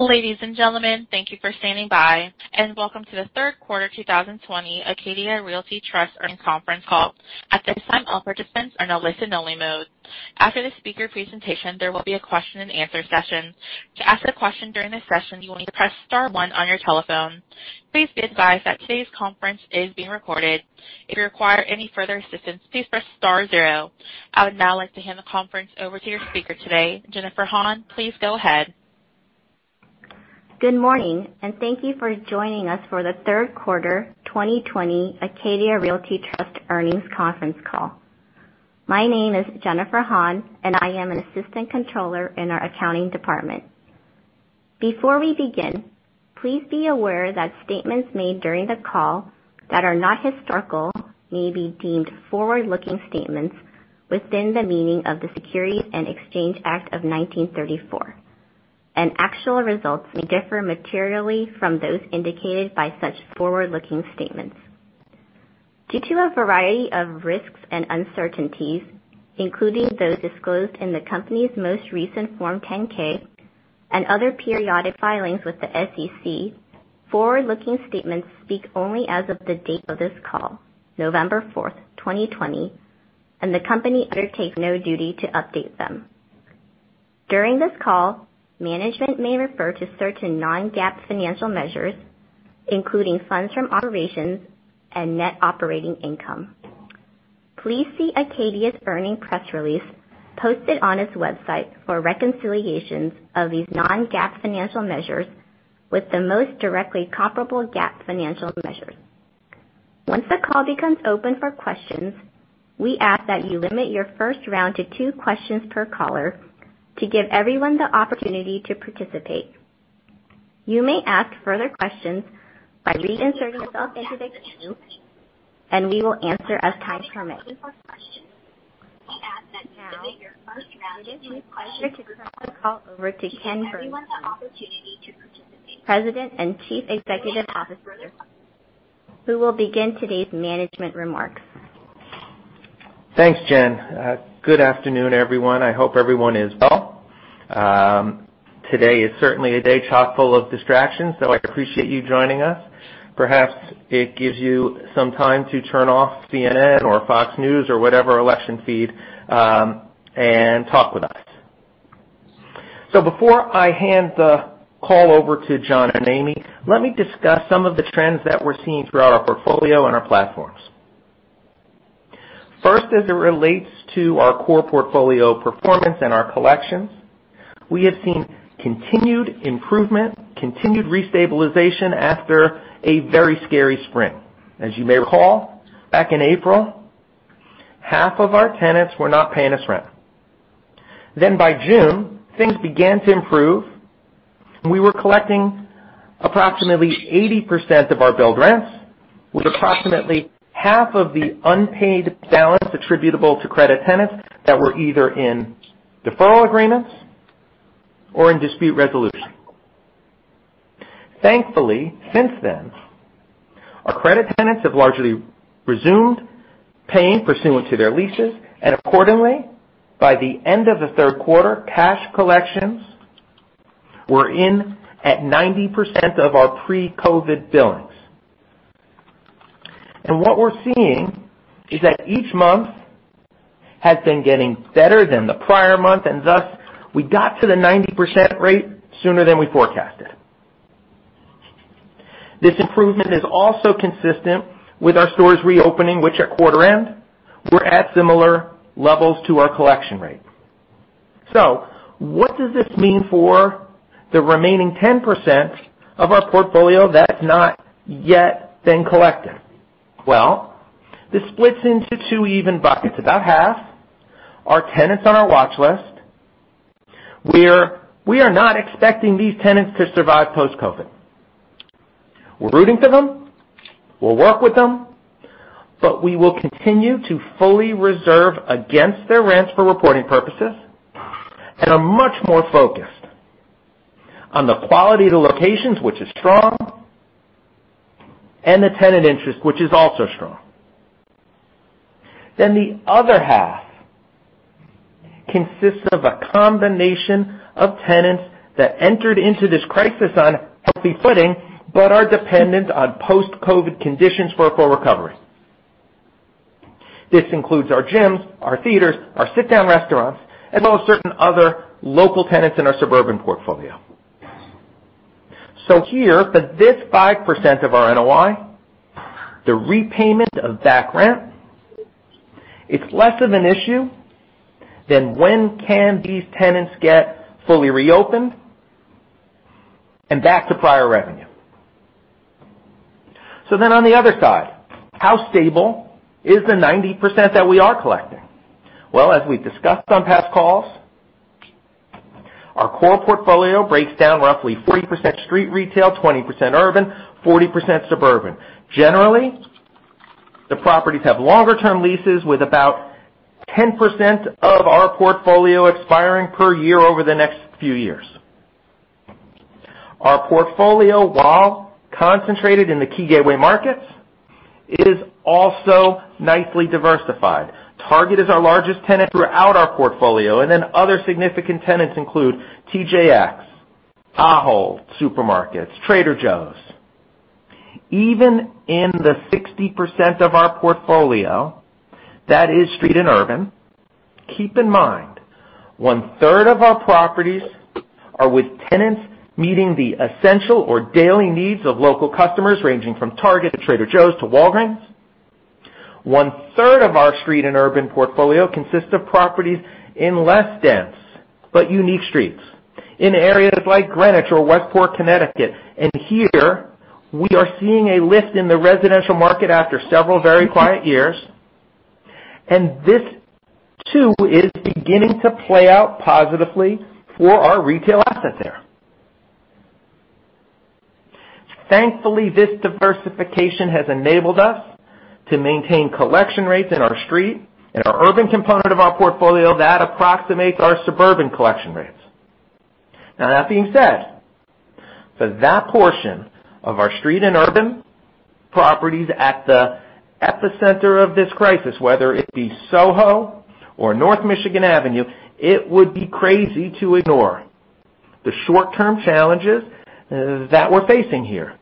Ladies and gentlemen, thank you for standing by, and welcome to the Q3 2020 Acadia Realty Trust earnings conference call. I would now like to hand the conference over to your speaker today. Jennifer Hahn, please go ahead. Good morning, and thank you for joining us for the Q3 2020 Acadia Realty Trust earnings conference call. My name is Jennifer Hahn, and I am an assistant controller in our accounting department. Before we begin, please be aware that statements made during the call that are not historical may be deemed forward-looking statements within the meaning of the Securities Exchange Act of 1934. Actual results may differ materially from those indicated by such forward-looking statements. Due to a variety of risks and uncertainties, including those disclosed in the company's most recent Form 10-K and other periodic filings with the SEC, forward-looking statements speak only as of the date of this call, November fourth, 2020, and the company undertakes no duty to update them. During this call, management may refer to certain non-GAAP financial measures, including funds from operations and net operating income. Please see Acadia's earnings press release posted on its website for reconciliations of these non-GAAP financial measures with the most directly comparable GAAP financial measures. Once the call becomes open for questions, we ask that you limit your first round to two questions per caller to give everyone the opportunity to participate. You may ask further questions by reinserting yourself into the queue. We will answer as time permits. Now, with that, I'd like to turn the call over to Ken Bernstein, president and chief executive officer, who will begin today's management remarks. Thanks, Jen. Good afternoon, everyone. I hope everyone is well. Today is certainly a day chock-full of distractions, so I appreciate you joining us. Perhaps it gives you some time to turn off CNN or Fox News or whatever election feed, and talk with us. Before I hand the call over to John and Amy, let me discuss some of the trends that we're seeing throughout our portfolio and our platforms. First, as it relates to our core portfolio performance and our collections, we have seen continued improvement, continued restabilization after a very scary spring. As you may recall, back in April, half of our tenants were not paying us rent. By June, things began to improve. We were collecting approximately 80% of our billed rents, with approximately half of the unpaid balance attributable to credit tenants that were either in deferral agreements or in dispute resolution. Thankfully, since then, our credit tenants have largely resumed paying pursuant to their leases, and accordingly, by the end of the Q3, cash collections were in at 90% of our pre-COVID billings. What we're seeing is that each month has been getting better than the prior month, and thus, we got to the 90% rate sooner than we forecasted. This improvement is also consistent with our stores reopening, which at quarter end, were at similar levels to our collection rate. What does this mean for the remaining 10% of our portfolio that's not yet been collected? Well, this splits into two even buckets. About half are tenants on our watch list, where we are not expecting these tenants to survive post-COVID. We're rooting for them. We'll work with them, we will continue to fully reserve against their rents for reporting purposes, and are much more focused on the quality of the locations, which is strong, and the tenant interest, which is also strong. The other half consists of a combination of tenants that entered into this crisis on healthy footing but are dependent on post-COVID conditions for a full recovery. This includes our gyms, our theaters, our sit-down restaurants, as well as certain other local tenants in our suburban portfolio. Here, for this 5% of our NOI, the repayment of back rent is less of an issue than when can these tenants get fully reopened and back to prior revenue. On the other side, how stable is the 90% that we are collecting? Well, as we've discussed on past calls, our core portfolio breaks down roughly 40% street retail, 20% urban, 40% suburban. Generally, the properties have longer-term leases with about 10% of our portfolio expiring per year over the next few years. Our portfolio, while concentrated in the key gateway markets, it is also nicely diversified. Target is our largest tenant throughout our portfolio, and then other significant tenants include TJX, Ahold Supermarkets, Trader Joe's. Even in the 60% of our portfolio that is street and urban, keep in mind, one-third of our properties are with tenants meeting the essential or daily needs of local customers, ranging from Target to Trader Joe's to Walgreens. One-third of our street and urban portfolio consists of properties in less dense but unique streets, in areas like Greenwich or Westport, Connecticut. And here, we are seeing a lift in the residential market after several very quiet years. This, too, is beginning to play out positively for our retail asset there. Thankfully, this diversification has enabled us to maintain collection rates in our street and our urban component of our portfolio that approximates our suburban collection rates. That being said, for that portion of our street and urban properties at the epicenter of this crisis, whether it be Soho or North Michigan Avenue, it would be crazy to ignore the short-term challenges that we're facing here.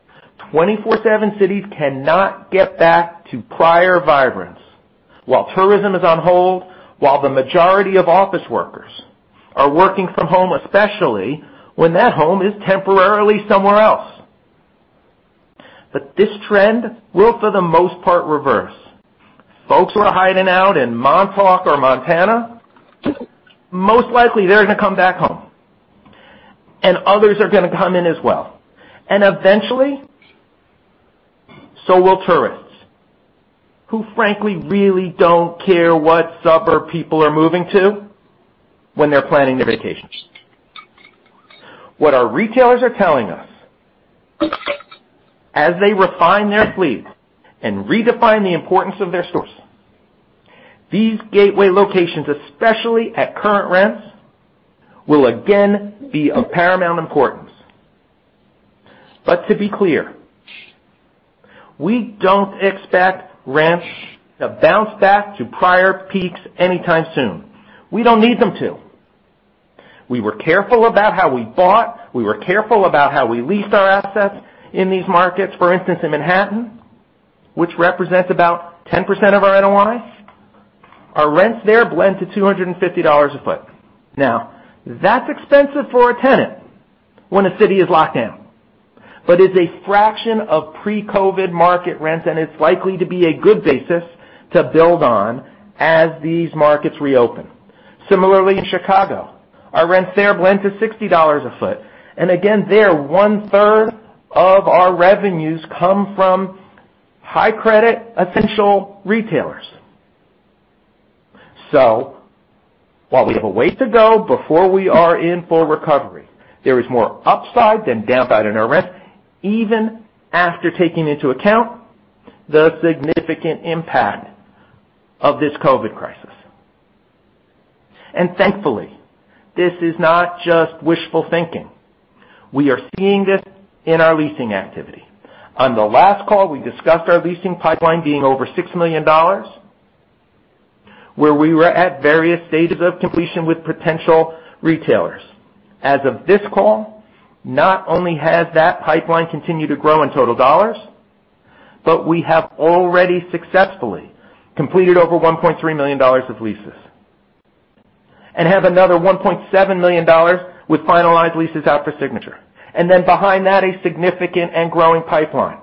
24/7 cities cannot get back to prior vibrance while tourism is on hold, while the majority of office workers are working from home, especially when that home is temporarily somewhere else. This trend will, for the most part, reverse. Folks who are hiding out in Montauk or Montana, most likely they're gonna come back home, and others are gonna come in as well. Eventually, so will tourists, who frankly really don't care what suburb people are moving to when they're planning their vacations. What our retailers are telling us, as they refine their fleet and redefine the importance of their stores, these gateway locations, especially at current rents, will again be of paramount importance. To be clear, we don't expect rents to bounce back to prior peaks anytime soon. We don't need them to. We were careful about how we bought. We were careful about how we leased our assets in these markets. For instance, in Manhattan, which represents about 10% of our NOI, our rents there blend to $250 a foot. That's expensive for a tenant when a city is locked down, but is a fraction of pre-COVID market rent, and it's likely to be a good basis to build on as these markets reopen. Similarly, in Chicago, our rents there blend to $60 a foot. Again, there, one-third of our revenues come from high credit essential retailers. While we have a way to go before we are in full recovery, there is more upside than downside in our rent, even after taking into account the significant impact of this COVID crisis. Thankfully, this is not just wishful thinking. We are seeing this in our leasing activity. On the last call, we discussed our leasing pipeline being over $6 million, where we were at various stages of completion with potential retailers. As of this call, not only has that pipeline continued to grow in total dollars, but we have already successfully completed over $1.3 million of leases and have another $1.7 million with finalized leases out for signature. Behind that, a significant and growing pipeline.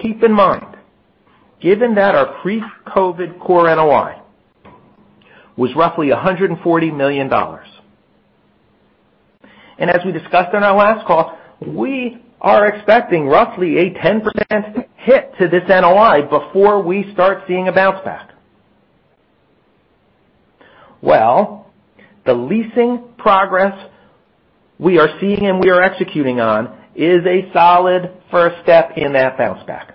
Keep in mind, given that our pre-COVID core NOI was roughly $140 million, and as we discussed on our last call, we are expecting roughly a 10% hit to this NOI before we start seeing a bounce back. Well, the leasing progress we are seeing and we are executing on is a solid first step in that bounce back.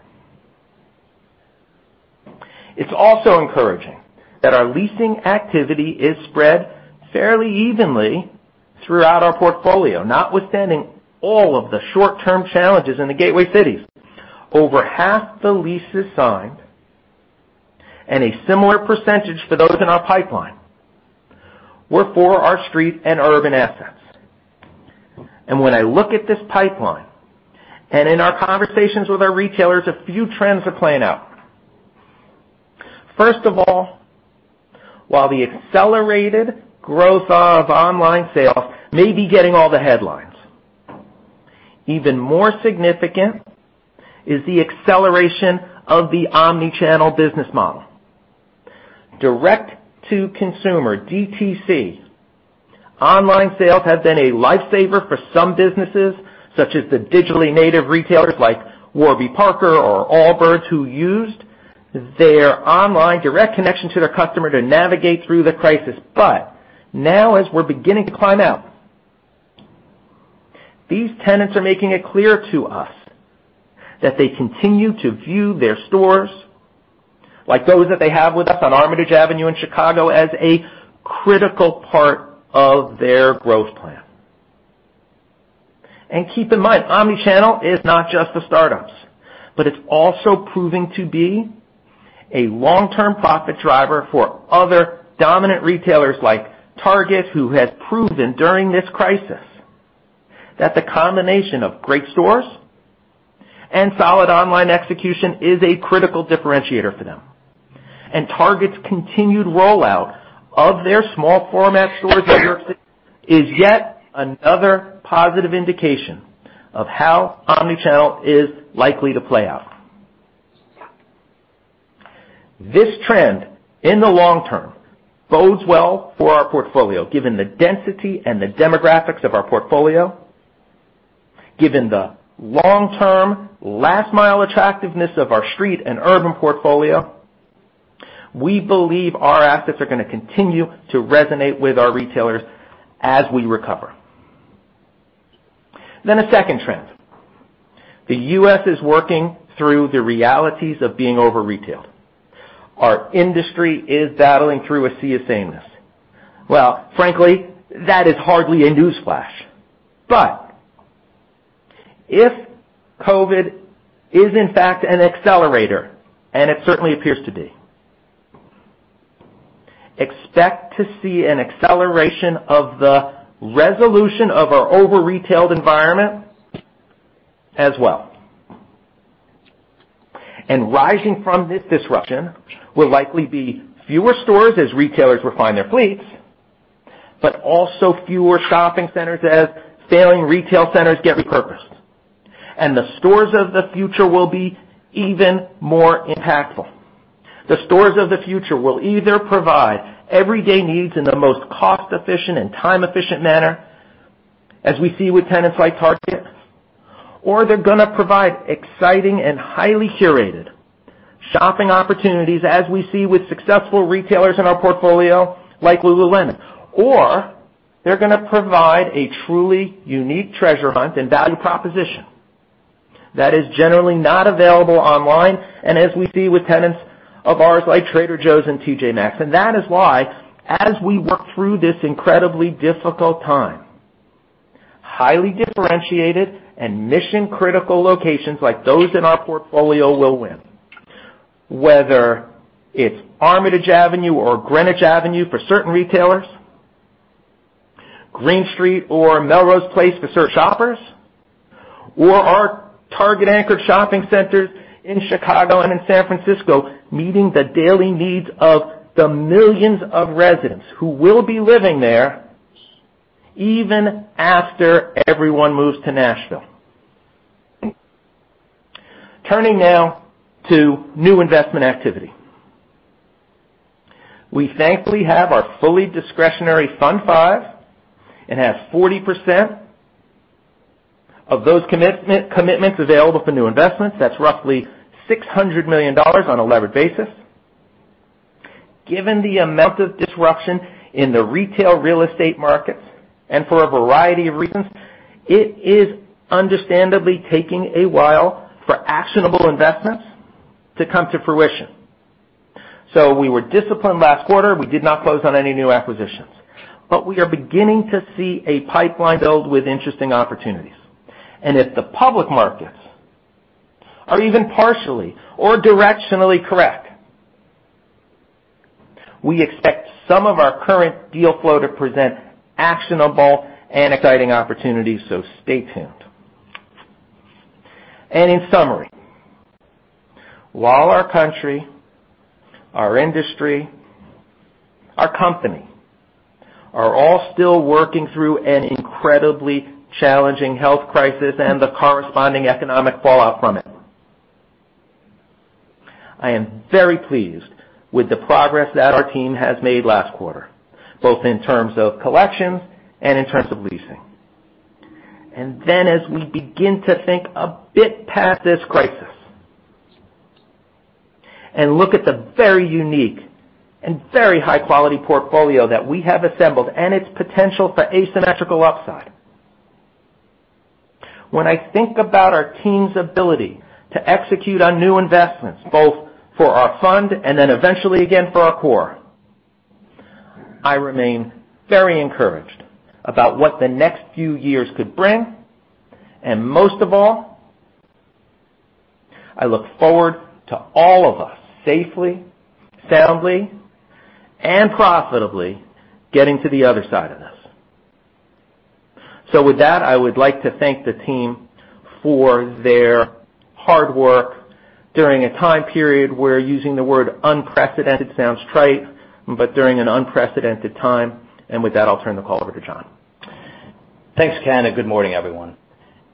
It's also encouraging that our leasing activity is spread fairly evenly throughout our portfolio, notwithstanding all of the short-term challenges in the gateway cities. Over half the leases signed and a similar percentage for those in our pipeline were for our street and urban assets. When I look at this pipeline and in our conversations with our retailers, a few trends are playing out. First of all, while the accelerated growth of online sales may be getting all the headlines, even more significant is the acceleration of the omni-channel business model. Direct-to-consumer, DTC, online sales have been a lifesaver for some businesses, such as the digitally native retailers like Warby Parker or Allbirds, who used their online direct connection to their customer to navigate through the crisis. As we're beginning to climb out, these tenants are making it clear to us that they continue to view their stores, like those that they have with us on Armitage Avenue in Chicago, as a critical part of their growth plans. Keep in mind, omni-channel is not just the startups, but it's also proving to be a long-term profit driver for other dominant retailers like Target, who has proven during this crisis that the combination of great stores and solid online execution is a critical differentiator for them. Target's continued rollout of their small format stores in New York City is yet another positive indication of how omni-channel is likely to play out. This trend, in the long term, bodes well for our portfolio, given the density and the demographics of our portfolio, given the long-term last mile attractiveness of our street and urban portfolio. We believe our assets are going to continue to resonate with our retailers as we recover. A second trend. The U.S. is working through the realities of being over-retailed. Our industry is battling through a sea of sameness. Well, frankly, that is hardly a newsflash. If COVID is in fact an accelerator, and it certainly appears to be, expect to see an acceleration of the resolution of our over-retailed environment as well. Rising from this disruption will likely be fewer stores as retailers refine their fleets, but also fewer shopping centers as failing retail centers get repurposed, and the stores of the future will be even more impactful. The stores of the future will either provide everyday needs in the most cost-efficient and time-efficient manner, as we see with tenants like Target, or they're going to provide exciting and highly curated shopping opportunities, as we see with successful retailers in our portfolio like Lululemon. They're going to provide a truly unique treasure hunt and value proposition that is generally not available online, and as we see with tenants of ours like Trader Joe's and TJ Maxx. That is why, as we work through this incredibly difficult time, highly differentiated and mission-critical locations like those in our portfolio will win, whether it's Armitage Avenue or Greenwich Avenue for certain retailers, Green Street or Melrose Place to serve shoppers, or our Target anchored shopping centers in Chicago and in San Francisco, meeting the daily needs of the millions of residents who will be living there even after everyone moves to Nashville. Turning now to new investment activity. We thankfully have our fully discretionary Fund V. It has 40% of those commitments available for new investments. That's roughly $600 million on a levered basis. Given the amount of disruption in the retail real estate markets, and for a variety of reasons, it is understandably taking a while for actionable investments to come to fruition. We were disciplined last quarter. We did not close on any new acquisitions. We are beginning to see a pipeline build with interesting opportunities. If the public markets are even partially or directionally correct, we expect some of our current deal flow to present actionable and exciting opportunities, so stay tuned. In summary, while our country, our industry, our company, are all still working through an incredibly challenging health crisis and the corresponding economic fallout from it, I am very pleased with the progress that our team has made last quarter, both in terms of collections and in terms of leasing. As we begin to think a bit past this crisis and look at the very unique and very high-quality portfolio that we have assembled and its potential for asymmetrical upside. When I think about our team's ability to execute on new investments, both for our fund and then eventually again for our core, I remain very encouraged about what the next few years could bring. Most of all, I look forward to all of us safely, soundly, and profitably getting to the other side of this. With that, I would like to thank the team for their hard work during a time period where using the word unprecedented sounds trite, but during an unprecedented time. With that, I'll turn the call over to John. Thanks, Ken. Good morning, everyone.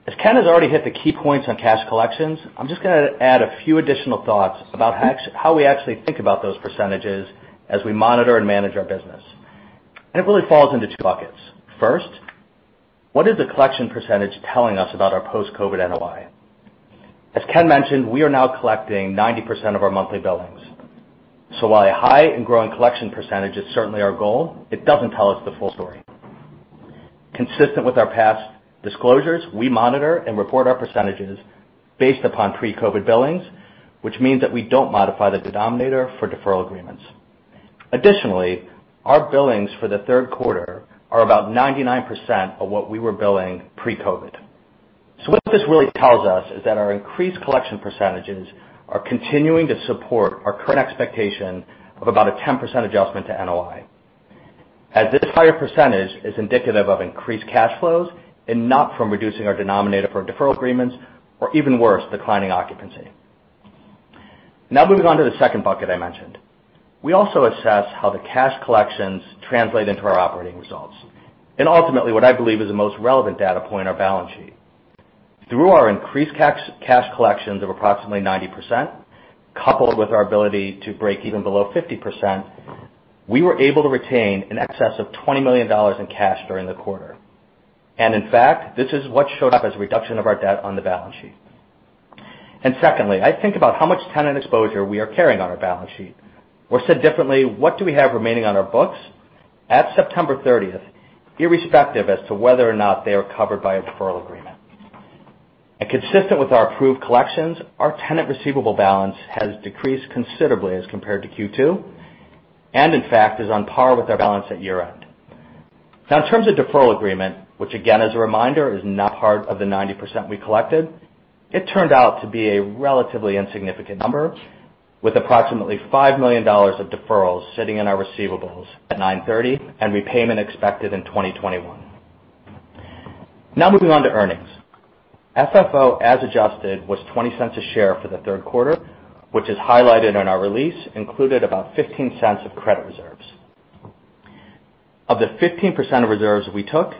As Ken has already hit the key points on cash collections, I'm just going to add a few additional thoughts about how we actually think about those percentages as we monitor and manage our business. It really falls into two buckets. First, what is the collection percentage telling us about our post-COVID NOI? As Ken mentioned, we are now collecting 90% of our monthly billings. While a high and growing collection percentage is certainly our goal, it doesn't tell us the full story. Consistent with our past disclosures, we monitor and report our percentages based upon pre-COVID billings, which means that we don't modify the denominator for deferral agreements. Additionally, our billings for the Q3 are about 99% of what we were billing pre-COVID. What this really tells us is that our increased collection percentages are continuing to support our current expectation of about a 10% adjustment to NOI, as this higher percentage is indicative of increased cash flows and not from reducing our denominator for deferral agreements, or even worse, declining occupancy. Now moving on to the second bucket I mentioned. We also assess how the cash collections translate into our operating results. Ultimately, what I believe is the most relevant data point, our balance sheet. Through our increased cash collections of approximately 90%, coupled with our ability to break even below 50%, we were able to retain in excess of $20 million in cash during the quarter. In fact, this is what showed up as a reduction of our debt on the balance sheet. Secondly, I think about how much tenant exposure we are carrying on our balance sheet. Said differently, what do we have remaining on our books at 30 September, irrespective as to whether or not they are covered by a deferral agreement? Consistent with our approved collections, our tenant receivable balance has decreased considerably as compared to Q2, and in fact is on par with our balance at year-end. Now, in terms of deferral agreement, which again as a reminder, is not part of the 90% we collected, it turned out to be a relatively insignificant number, with approximately $5 million of deferrals sitting in our receivables at 9/30, and repayment expected in 2021. Now moving on to earnings. FFO, as adjusted, was $0.20 a share for the Q3, which is highlighted in our release, included about $0.15 of credit reserves. Of the 15% of reserves we took,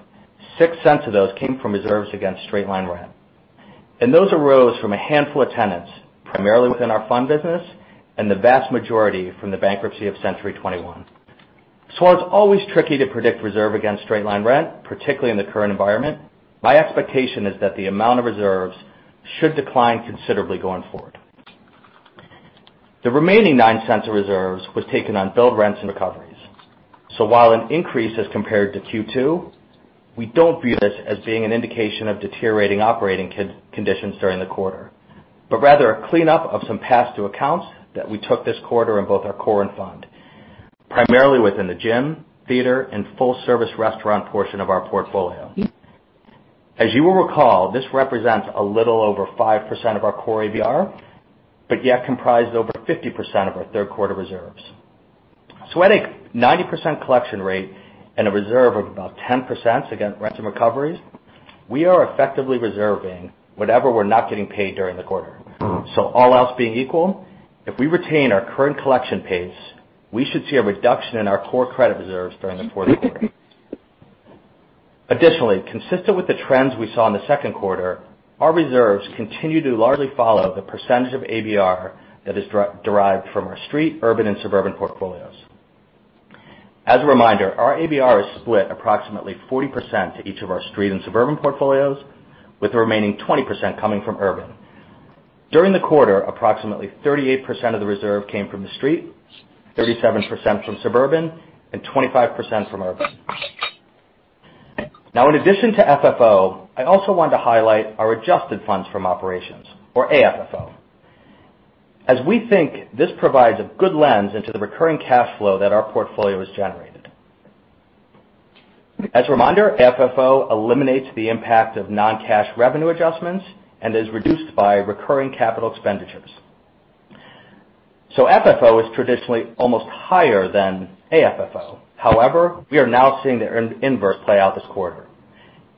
$0.06 of those came from reserves against straight-line rent. Those arose from a handful of tenants, primarily within our fund business, and the vast majority from the bankruptcy of Century 21. While it's always tricky to predict reserve against straight-line rent, particularly in the current environment, my expectation is that the amount of reserves should decline considerably going forward. The remaining $0.09 of reserves was taken on billed rents and recoveries. While an increase as compared to Q2, we don't view this as being an indication of deteriorating operating conditions during the quarter, but rather a cleanup of some pass-through accounts that we took this quarter in both our core and fund, primarily within the gym, theater, and full-service restaurant portion of our portfolio. As you will recall, this represents a little over 5% of our core ABR, but yet comprised over 50% of our Q3 reserves. At a 90% collection rate and a reserve of about 10% against rents and recoveries, we are effectively reserving whatever we're not getting paid during the quarter. All else being equal, if we retain our current collection pace, we should see a reduction in our core credit reserves during the Q4. Additionally, consistent with the trends we saw in the Q2, our reserves continue to largely follow the percentage of ABR that is derived from our street, urban, and suburban portfolios. As a reminder, our ABR is split approximately 40% to each of our street and suburban portfolios, with the remaining 20% coming from urban. During the quarter, approximately 38% of the reserve came from the street, 37% from suburban, and 25% from urban. In addition to FFO, I also wanted to highlight our adjusted funds from operations, or AFFO, as we think this provides a good lens into the recurring cash flow that our portfolio has generated. As a reminder, AFFO eliminates the impact of non-cash revenue adjustments and is reduced by recurring capital expenditures. FFO is traditionally almost higher than AFFO. However, we are now seeing the inverse play out this quarter.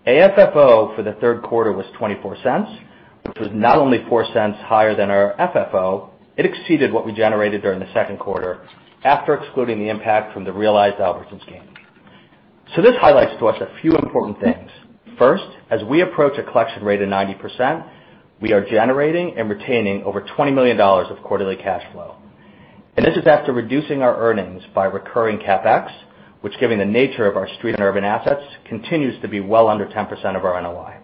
AFFO for the Q3 was $0.24, which was not only $0.04 higher than our FFO, it exceeded what we generated during the Q2, after excluding the impact from the realized Albertsons gain. This highlights to us a few important things. As we approach a collection rate of 90%, we are generating and retaining over $20 million of quarterly cash flow. This is after reducing our earnings by recurring CapEx, which given the nature of our street and urban assets, continues to be well under 10% of our NOI.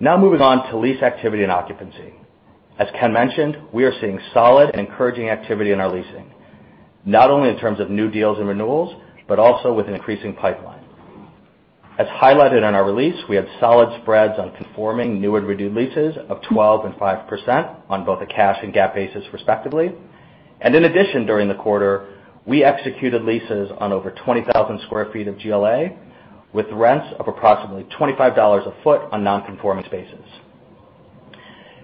Moving on to lease activity and occupancy. As Ken mentioned, we are seeing solid and encouraging activity in our leasing, not only in terms of new deals and renewals, but also with an increasing pipeline. As highlighted in our release, we have solid spreads on conforming new and renewed leases of 12% and 5% on both a cash and GAAP basis respectively. In addition, during the quarter, we executed leases on over 20,000 sq ft of GLA, with rents of approximately $25 a foot on non-conforming spaces.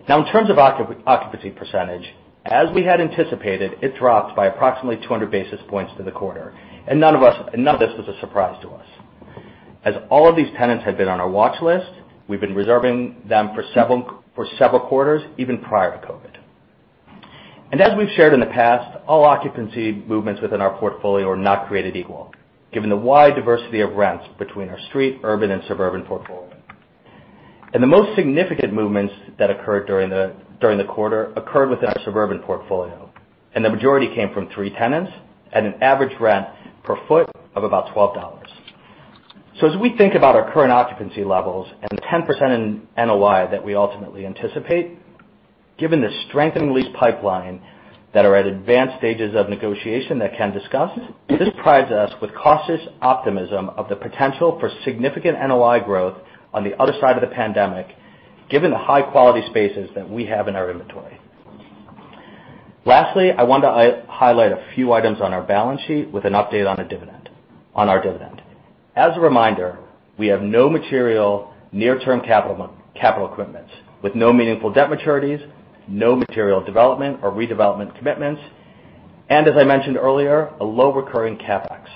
Now, in terms of occupancy percentage, as we had anticipated, it dropped by approximately 200 basis points for the quarter. None of this was a surprise to us. As all of these tenants had been on our watch list, we've been reserving them for several quarters, even prior to COVID. As we've shared in the past, all occupancy movements within our portfolio are not created equal, given the wide diversity of rents between our street, urban, and suburban portfolios. The most significant movements that occurred during the quarter occurred within our suburban portfolio, and the majority came from three tenants at an average rent per foot of about $12. As we think about our current occupancy levels and the 10% in NOI that we ultimately anticipate, given the strength in lease pipeline that are at advanced stages of negotiation that Ken discussed, this provides us with cautious optimism of the potential for significant NOI growth on the other side of the pandemic. Given the high quality spaces that we have in our inventory. Lastly, I want to highlight a few items on our balance sheet with an update on our dividend. As a reminder, we have no material near-term capital equipment with no meaningful debt maturities, no material development or redevelopment commitments, and as I mentioned earlier, a low recurring CapEx.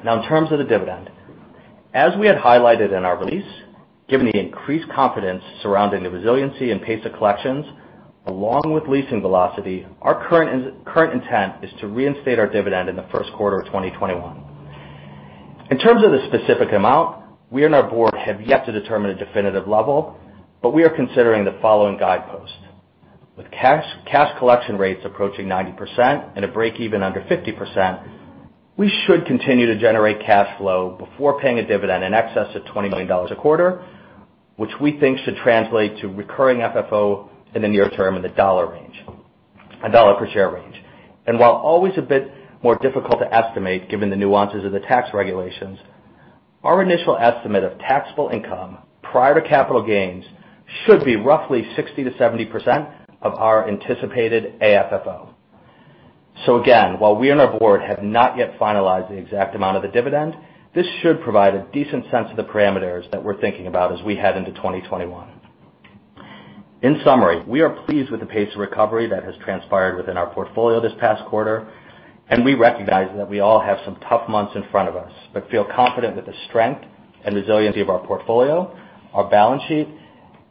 In terms of the dividend, as we had highlighted in our release, given the increased confidence surrounding the resiliency and pace of collections, along with leasing velocity, our current intent is to reinstate our dividend in the Q1 of 2021. In terms of the specific amount, we and our board have yet to determine a definitive level, but we are considering the following guideposts. With cash collection rates approaching 90% and a break even under 50%, we should continue to generate cash flow before paying a dividend in excess of $20 million a quarter, which we think should translate to recurring FFO in the near term in the dollar per share range. While always a bit more difficult to estimate, given the nuances of the tax regulations, our initial estimate of taxable income prior to capital gains should be roughly 60%-70% of our anticipated AFFO. Again, while we and our board have not yet finalized the exact amount of the dividend, this should provide a decent sense of the parameters that we're thinking about as we head into 2021. In summary, we are pleased with the pace of recovery that has transpired within our portfolio this past quarter, and we recognize that we all have some tough months in front of us, but feel confident with the strength and resiliency of our portfolio, our balance sheet,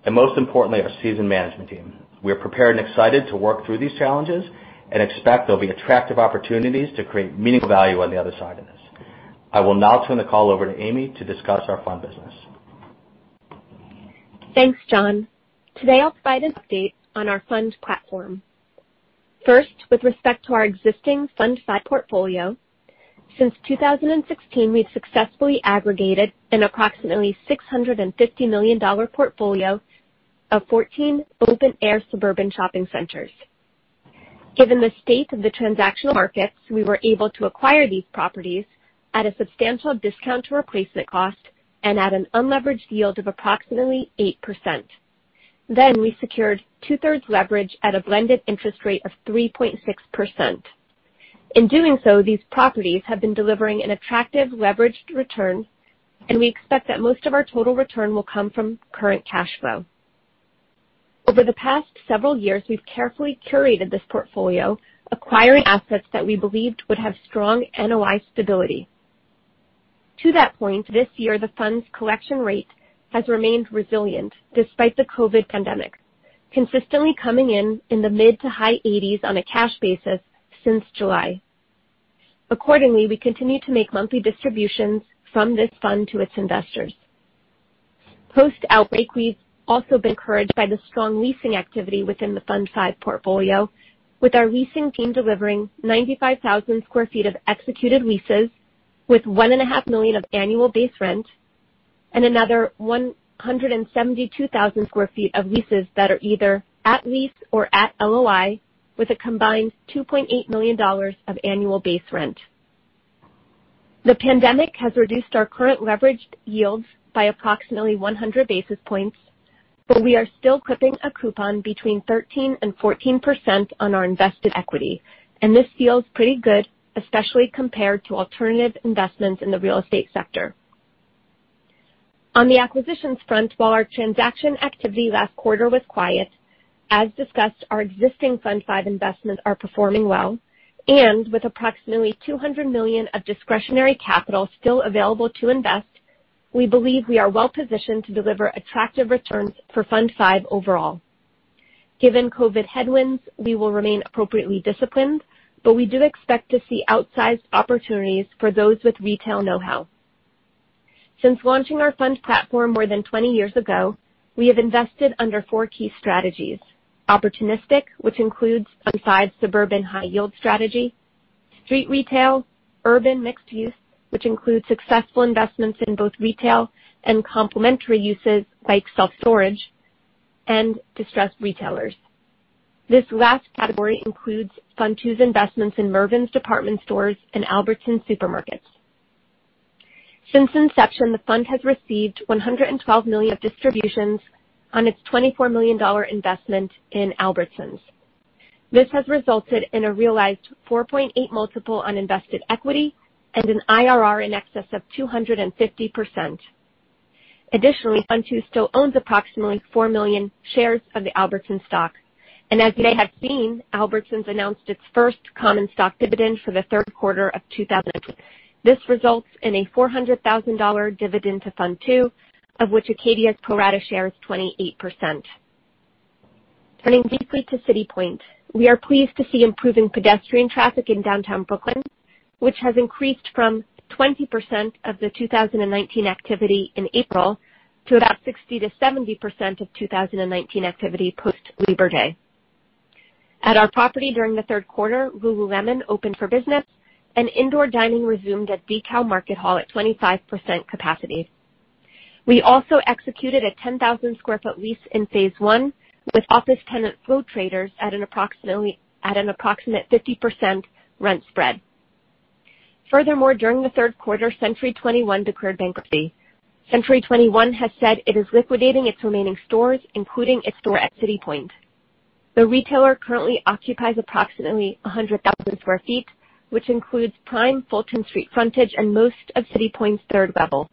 and most importantly, our seasoned management team. We are prepared and excited to work through these challenges and expect there'll be attractive opportunities to create meaningful value on the other side of this. I will now turn the call over to Amy to discuss our fund business. Thanks, John. Today I'll provide an update on our fund platform. First, with respect to our existing Fund V portfolio. Since 2016, we've successfully aggregated an approximately $650 million portfolio of 14 open air suburban shopping centers. Given the state of the transactional markets, we were able to acquire these properties at a substantial discount to replacement cost and at an unleveraged yield of approximately 8%. We secured two-thirds leverage at a blended interest rate of 3.6%. In doing so, these properties have been delivering an attractive leveraged return, and we expect that most of our total return will come from current cash flow. Over the past several years, we've carefully curated this portfolio, acquiring assets that we believed would have strong NOI stability. To that point, this year the fund's collection rate has remained resilient despite the COVID pandemic, consistently coming in in the mid to high 80s on a cash basis since July. Accordingly, we continue to make monthly distributions from this fund to its investors. Post-outbreak, we've also been encouraged by the strong leasing activity within the Fund V portfolio, with our leasing team delivering 95,000 sq ft of executed leases with one and a half million of annual base rent and another 172,000 sq ft of leases that are either at lease or at LOI with a combined $2.8 million of annual base rent. The pandemic has reduced our current leveraged yields by approximately 100 basis points. We are still clipping a coupon between 13% and 14% on our invested equity, and this feels pretty good, especially compared to alternative investments in the real estate sector. On the acquisitions front, while our transaction activity last quarter was quiet, as discussed, our existing Fund V investments are performing well, and with approximately $200 million of discretionary capital still available to invest, we believe we are well positioned to deliver attractive returns for Fund V overall. Given COVID headwinds, we will remain appropriately disciplined, we do expect to see outsized opportunities for those with retail knowhow. Since launching our fund platform more than 20 years ago, we have invested under four key strategies. Opportunistic, which includes Fund V suburban high yield strategy, street retail, urban mixed use, which includes successful investments in both retail and complementary uses like self-storage and distressed retailers. This last category includes Fund V investments in Mervyn's department stores and Albertsons supermarkets. Since inception, the fund has received $112 million of distributions on its $24 million investment in Albertsons. This has resulted in a realized 4.8x multiple on invested equity and an IRR in excess of 250%. Fund V still owns approximately four million shares of the Albertsons stock. As you may have seen, Albertsons announced its first common stock dividend for the Q3 of 2020. This results in a $400,000 dividend to Fund V, of which Acadia's pro rata share is 28%. Turning briefly to City Point. We are pleased to see improving pedestrian traffic in downtown Brooklyn, which has increased from 20% of the 2019 activity in April to about 60%-70% of 2019 activity post Labor Day. At our property during the Q3, Lululemon opened for business and indoor dining resumed at DeKalb Market Hall at 25% capacity. We also executed a 10,000 sq ft lease in phase one with office tenant Flow Traders at an approximate 50% rent spread. During the Q3, Century 21 declared bankruptcy. Century 21 has said it is liquidating its remaining stores, including its store at City Point. The retailer currently occupies approximately 100,000 sq ft, which includes prime Fulton Street frontage and most of City Point's third level.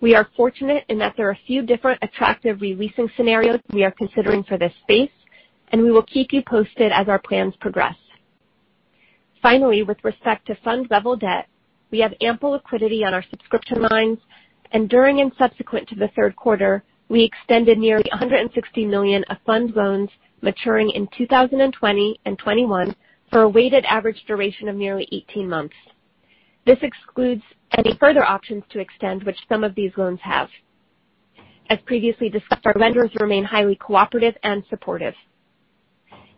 We are fortunate in that there are a few different attractive re-leasing scenarios we are considering for this space, and we will keep you posted as our plans progress. With respect to fund level debt, we have ample liquidity on our subscription lines, and during and subsequent to the Q3, we extended nearly $160 million of fund loans maturing in 2020 and 2021 for a weighted average duration of nearly 18 months. This excludes any further options to extend which some of these loans have. As previously discussed, our lenders remain highly cooperative and supportive.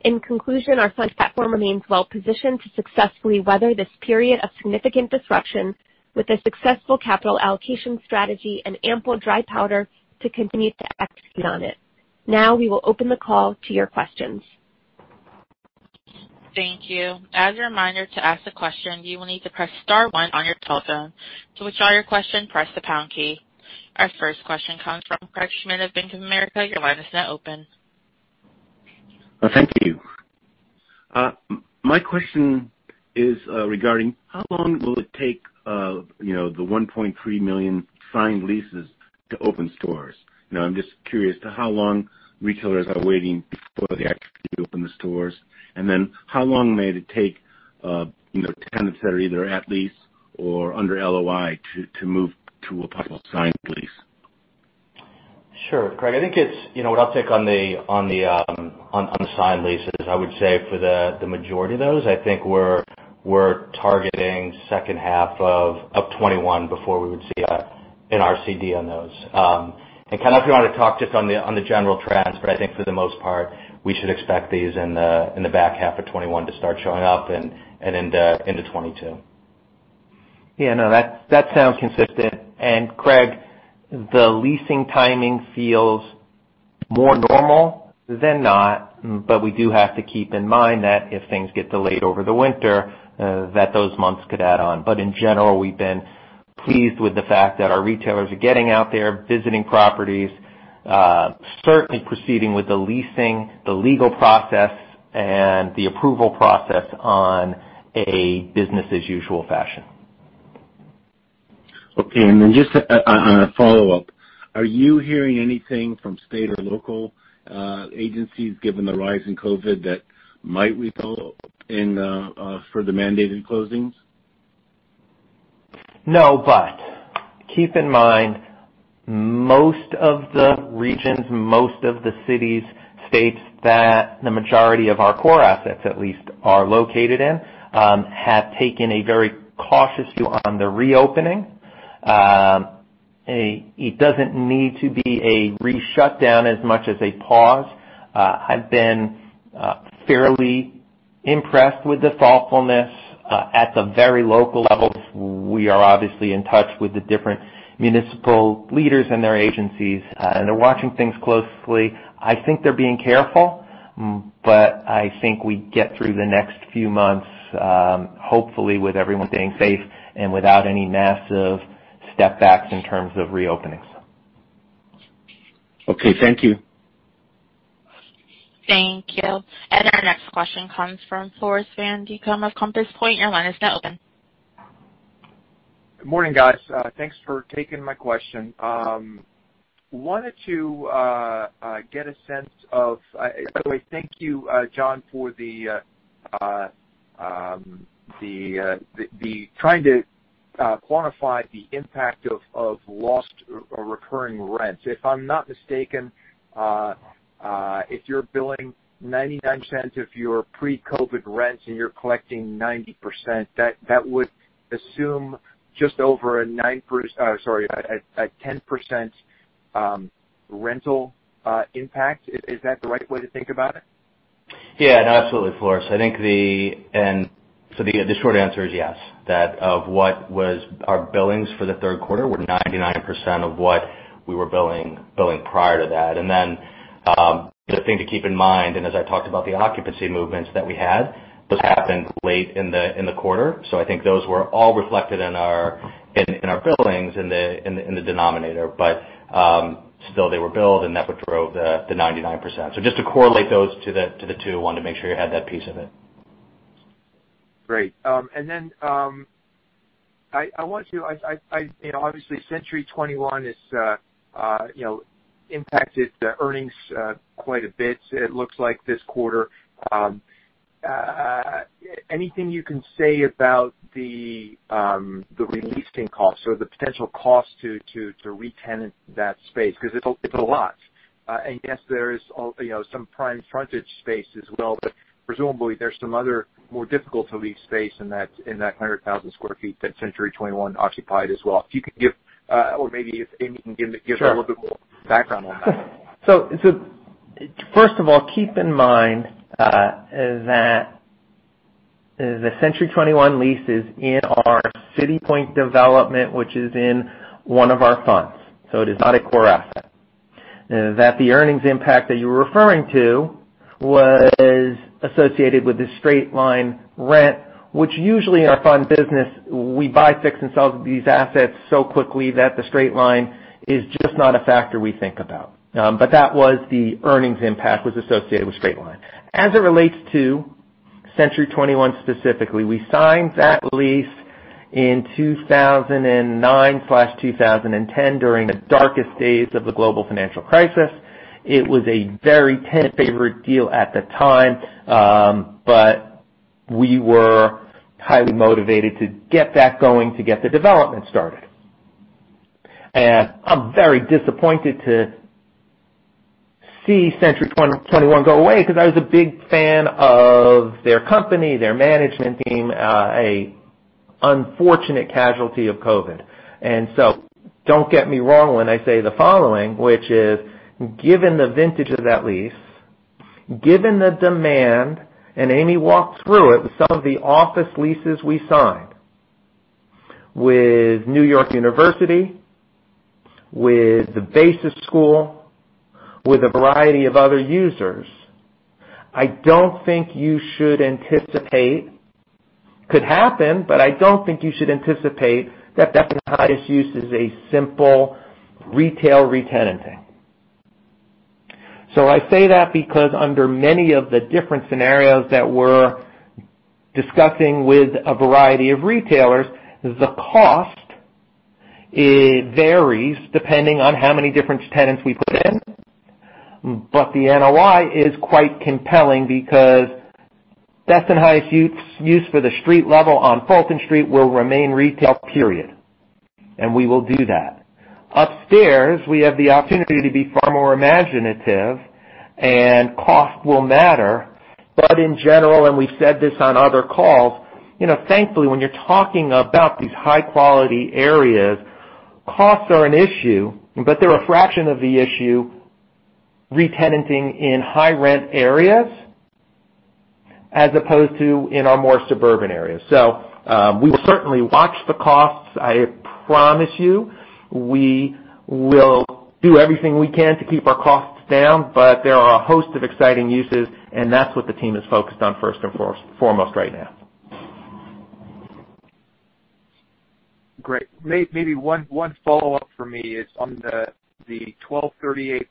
In conclusion, our fund platform remains well-positioned to successfully weather this period of significant disruption with a successful capital allocation strategy and ample dry powder to continue to execute on it. Now we will open the call to your questions. Thank you. As a reminder, to ask a question, you will need to press star one on your telephone. To withdraw your question, press the pound key. Our first question comes from Craig Mailman of Bank of America. Your line is now open. Thank you. My question is regarding how long will it take the 1.3 million signed leases to open stores. I'm just curious to how long retailers are waiting before they actually open the stores. How long may it take tenants that are either at lease or under LOI to move to a possible signed lease? Sure. Craig, I think what I'll take on the signed leases, I would say for the majority of those, I think we're targeting H2 of 2021 before we would see an RCD on those. Ken, if you want to talk just on the general trends, but I think for the most part, we should expect these in the back half of 2021 to start showing up and into 2022. Yeah. No, that sounds consistent. Craig, the leasing timing feels more normal than not, but we do have to keep in mind that if things get delayed over the winter, that those months could add on. In general, we've been pleased with the fact that our retailers are getting out there, visiting properties, certainly proceeding with the leasing, the legal process, and the approval process on a business as usual fashion. Okay. Just on a follow-up, are you hearing anything from state or local agencies given the rise in COVID that might result in further mandated closings? No. Keep in mind, most of the regions, most of the cities, states that the majority of our core assets at least are located in, have taken a very cautious view on the reopening. It doesn't need to be a re-shutdown as much as a pause. I've been fairly impressed with the thoughtfulness at the very local levels. We are obviously in touch with the different municipal leaders and their agencies, and they're watching things closely. I think they're being careful, but I think we get through the next few months, hopefully with everyone staying safe and without any massive step backs in terms of reopenings. Okay. Thank you. Thank you. Our next question comes from Floris van Dijkum of Compass Point. Your line is now open. Good morning, guys. Thanks for taking my question. By the way, thank you, John, for trying to quantify the impact of lost recurring rents. If I'm not mistaken, if you're billing $0.99 of your pre-COVID rents and you're collecting 90%, that would assume just over a 10% rental impact. Is that the right way to think about it? No, absolutely, Floris. The short answer is yes, that of what was our billings for the Q3 were 99% of what we were billing prior to that. The thing to keep in mind, and as I talked about the occupancy movements that we had, those happened late in the quarter. I think those were all reflected in our billings in the denominator. Still they were billed, and that drove the 99%. Just to correlate those to the two, wanted to make sure you had that piece of it. Great. Obviously Century 21 has impacted the earnings quite a bit it looks like this quarter. Anything you can say about the re-leasing cost or the potential cost to re-tenant that space? It's a lot. Yes, there is some prime frontage space as well, but presumably there's some other more difficult-to-lease space in that 100,000 sq ft that Century 21 occupied as well. If you could give, or maybe if Amy can give. a little bit more background on that. First of all, keep in mind that the Century 21 lease is in our City Point development, which is in one of our funds. It is not a core asset. That the earnings impact that you were referring to was associated with the straight-line rent, which usually in our fund business, we buy, fix, and sell these assets so quickly that the straight-line is just not a factor we think about. That was the earnings impact was associated with straight-line. As it relates to Century 21 specifically, we signed that lease in 2009/2010 during the darkest days of the Global Financial Crisis. It was a very tenant-favored deal at the time, but we were highly motivated to get that going, to get the development started. I'm very disappointed to see Century 21 go away because I was a big fan of their company, their management team, a unfortunate casualty of COVID. Don't get me wrong when I say the following, which is, given the vintage of that lease, given the demand, and Amy walked through it, with some of the office leases we signed, with New York University, with the BASIS school, with a variety of other users, I don't think you should anticipate, could happen, but I don't think you should anticipate that best and highest use is a simple retail retenanting. I say that because under many of the different scenarios that we're discussing with a variety of retailers, the cost, it varies depending on how many different tenants we put in. The NOI is quite compelling because best and highest use for the street level on Fulton Street will remain retail, period. We will do that. Upstairs, we have the opportunity to be far more imaginative and cost will matter. In general, and we've said this on other calls, thankfully, when you're talking about these high-quality areas, costs are an issue, but they're a fraction of the issue retenanting in high-rent areas as opposed to in our more suburban areas. We will certainly watch the costs. I promise you, we will do everything we can to keep our costs down, but there are a host of exciting uses, and that's what the team is focused on first and foremost right now. Great. Maybe one follow-up for me is on the 1238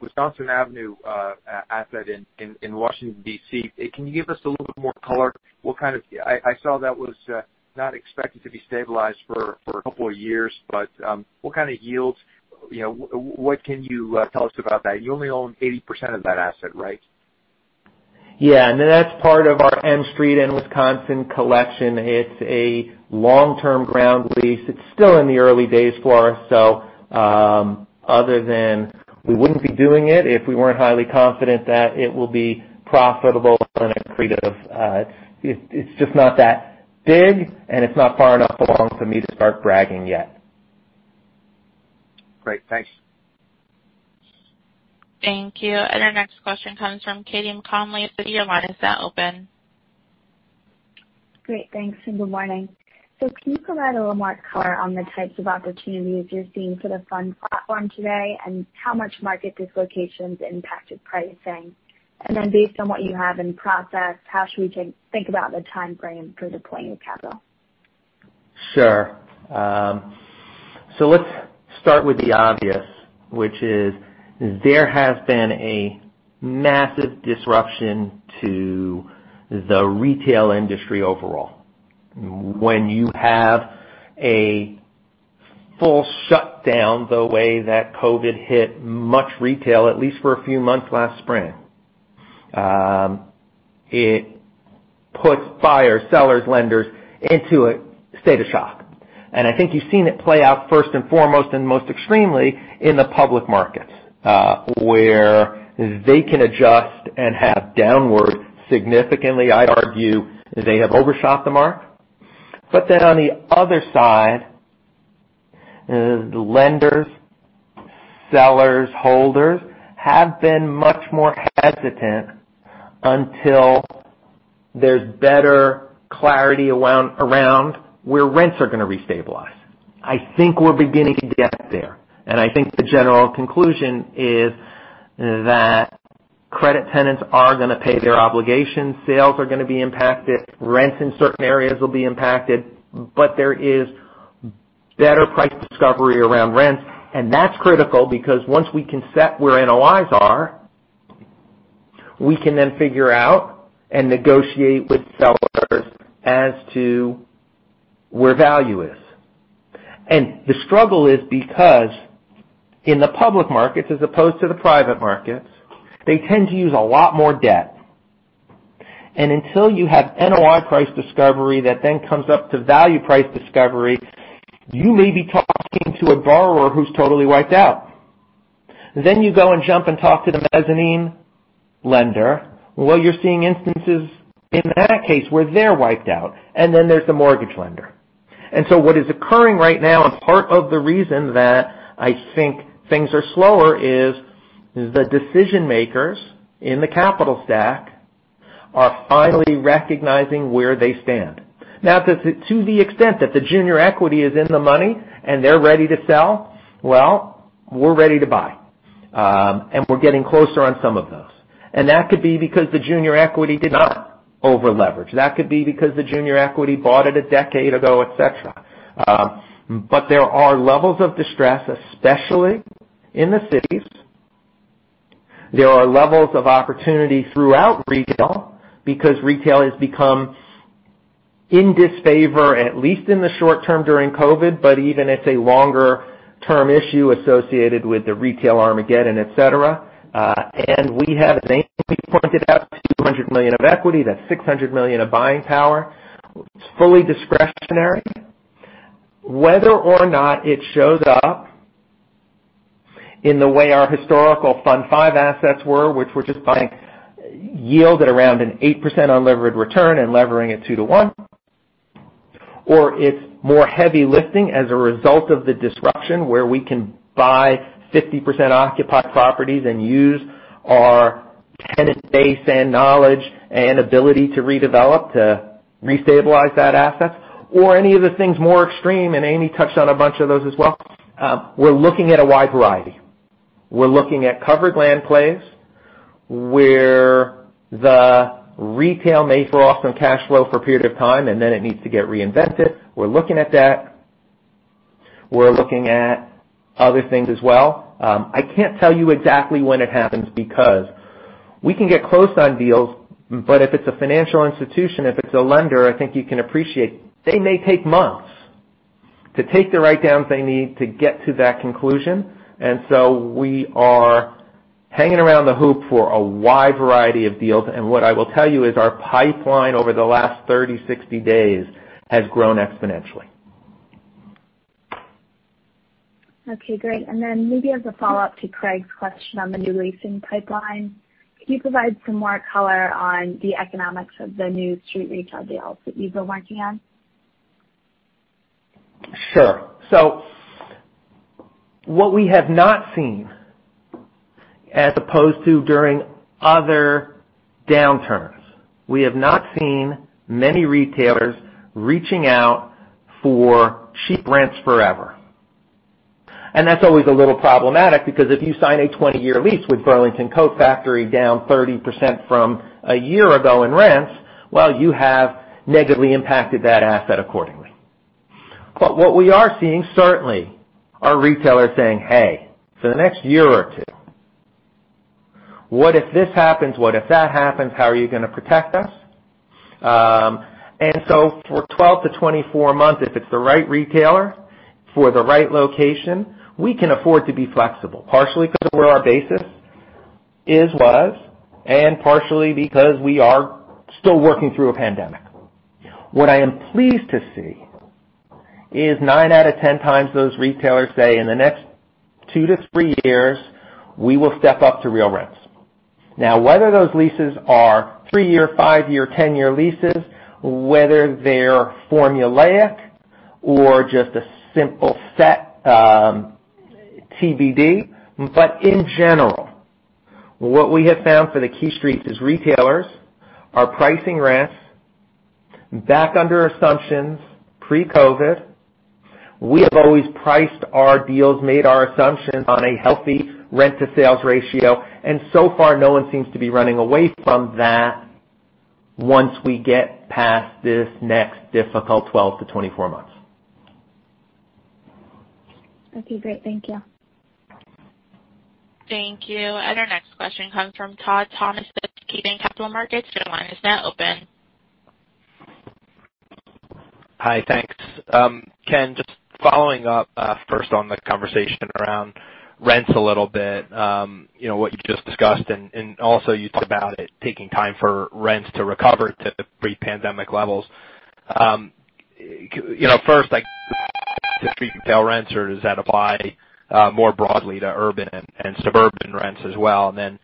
Wisconsin Avenue asset in Washington, D.C. Can you give us a little bit more color? I saw that was not expected to be stabilized for a couple of years, but, what kind of yields, what can you tell us about that? You only own 80% of that asset, right? That's part of our M Street and Wisconsin collection. It's a long-term ground lease. It's still in the early days for us, other than we wouldn't be doing it if we weren't highly confident that it will be profitable and accretive. It's just not that big, it's not far enough along for me to start bragging yet. Great. Thanks. Thank you. Our next question comes from Katy McConnell at Citi. Your line is now open. Great. Thanks, and good morning. Can you provide a little more color on the types of opportunities you're seeing for the fund platform today, and how much market dislocations impacted pricing? Based on what you have in process, how should we think about the timeframe for deploying your capital? Sure. Let's start with the obvious, which is there has been a massive disruption to the retail industry overall. When you have a full shutdown, the way that COVID hit much retail, at least for a few months last spring, it puts buyers, sellers, lenders into a state of shock. I think you've seen it play out first and foremost, and most extremely, in the public markets, where they can adjust and have downwards significantly. I'd argue they have overshot the mark. On the other side, lenders, sellers, holders have been much more hesitant until there's better clarity around where rents are going to restabilize. I think we're beginning to get there, and I think the general conclusion is that credit tenants are going to pay their obligations. Sales are going to be impacted. Rents in certain areas will be impacted. There is better price discovery around rents, and that's critical because once we can set where NOIs are, we can then figure out and negotiate with sellers as to where value is. The struggle is because in the public markets, as opposed to the private markets, they tend to use a lot more debt. Until you have NOI price discovery that then comes up to value price discovery, you may be talking to a borrower who's totally wiped out. You go and jump and talk to the mezzanine lender. You're seeing instances in that case where they're wiped out. Then there's the mortgage lender. What is occurring right now, and part of the reason that I think things are slower is the decision-makers in the capital stack are finally recognizing where they stand. To the extent that the junior equity is in the money and they're ready to sell, well, we're ready to buy. We're getting closer on some of those. That could be because the junior equity did not over-leverage. That could be because the junior equity bought it a decade ago, et cetera. There are levels of distress, especially in the cities. There are levels of opportunity throughout retail, because retail has become in disfavor, at least in the short term, during COVID, but even it's a longer-term issue associated with the retail Armageddon, et cetera. We have, Amy pointed out, $200 million of equity. That's $600 million of buying power. It's fully discretionary. Whether or not it shows up in the way our historical Fund V assets were, which we're just buying yield at around an 8% unlevered return and levering at two to one. It's more heavy lifting as a result of the disruption where we can buy 50% occupied properties and use our tenant base and knowledge and ability to redevelop, to restabilize that asset. Any of the things more extreme, and Amy touched on a bunch of those as well. We're looking at a wide variety. We're looking at covered land plays, where the retail may throw off some cash flow for a period of time, and then it needs to get reinvented. We're looking at that. We're looking at other things as well. I can't tell you exactly when it happens, because we can get close on deals, but if it's a financial institution, if it's a lender, I think you can appreciate, they may take months to take the write-downs they need to get to that conclusion. We are hanging around the hoop for a wide variety of deals. What I will tell you is our pipeline over the last 30, 60 days has grown exponentially. Okay, great. Maybe as a follow-up to Craig's question on the new leasing pipeline, can you provide some more color on the economics of the new street retail deals that you've been working on? Sure. What we have not seen, as opposed to during other downturns, we have not seen many retailers reaching out for cheap rents forever. That's always a little problematic, because if you sign a 20-year lease with Burlington Coat Factory down 30% from a year ago in rents, well, you have negatively impacted that asset accordingly. What we are seeing, certainly, are retailers saying, "Hey, for the next year or two, what if this happens? What if that happens? How are you going to protect us?" For 12 to 24 months, if it's the right retailer for the right location, we can afford to be flexible. Partially because of where our basis is, was, and partially because we are still working through a pandemic. What I am pleased to see is nine out of 10 times those retailers say, in the next two to three years, we will step up to real rents. Whether those leases are three-year, five-year, 10-year leases, whether they're formulaic or just a simple set TBD. In general, what we have found for the key streets is retailers are pricing rents back under assumptions pre-COVID. We have always priced our deals, made our assumptions on a healthy rent-to-sales ratio, so far, no one seems to be running away from that once we get past this next difficult 12 to 24 months. Okay, great. Thank you. Thank you. Our next question comes from Todd Thomas with KeyBanc Capital Markets. Your line is now open. Hi, thanks. Ken, just following up first on the conversation around rents a little bit. What you just discussed, also you talked about it taking time for rents to recover to pre-pandemic levels. First, like the street retail rents, does that apply more broadly to urban and suburban rents as well? Then,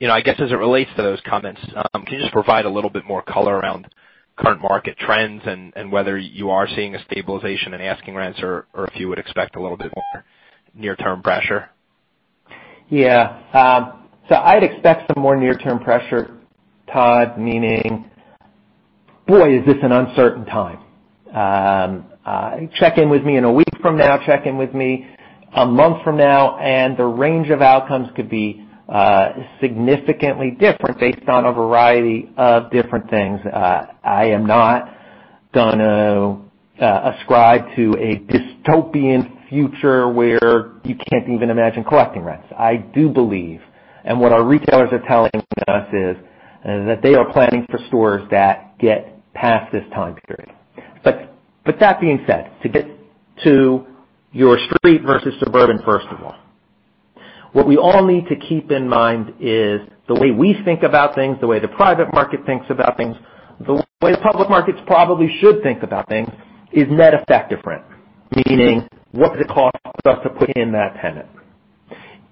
I guess as it relates to those comments, can you just provide a little bit more color around current market trends and whether you are seeing a stabilization in asking rents or if you would expect a little bit more near-term pressure? I'd expect some more near-term pressure, Todd, meaning, boy, is this an uncertain time. Check in with me in a week from now, check in with me a month from now, the range of outcomes could be significantly different based on a variety of different things. I am not going to ascribe to a dystopian future where you can't even imagine collecting rents. I do believe, and what our retailers are telling us is, that they are planning for stores that get past this time period. That being said, to get to your street versus suburban, first of all. What we all need to keep in mind is the way we think about things, the way the private market thinks about things, the way public markets probably should think about things, is net effective rent, meaning what does it cost us to put in that tenant?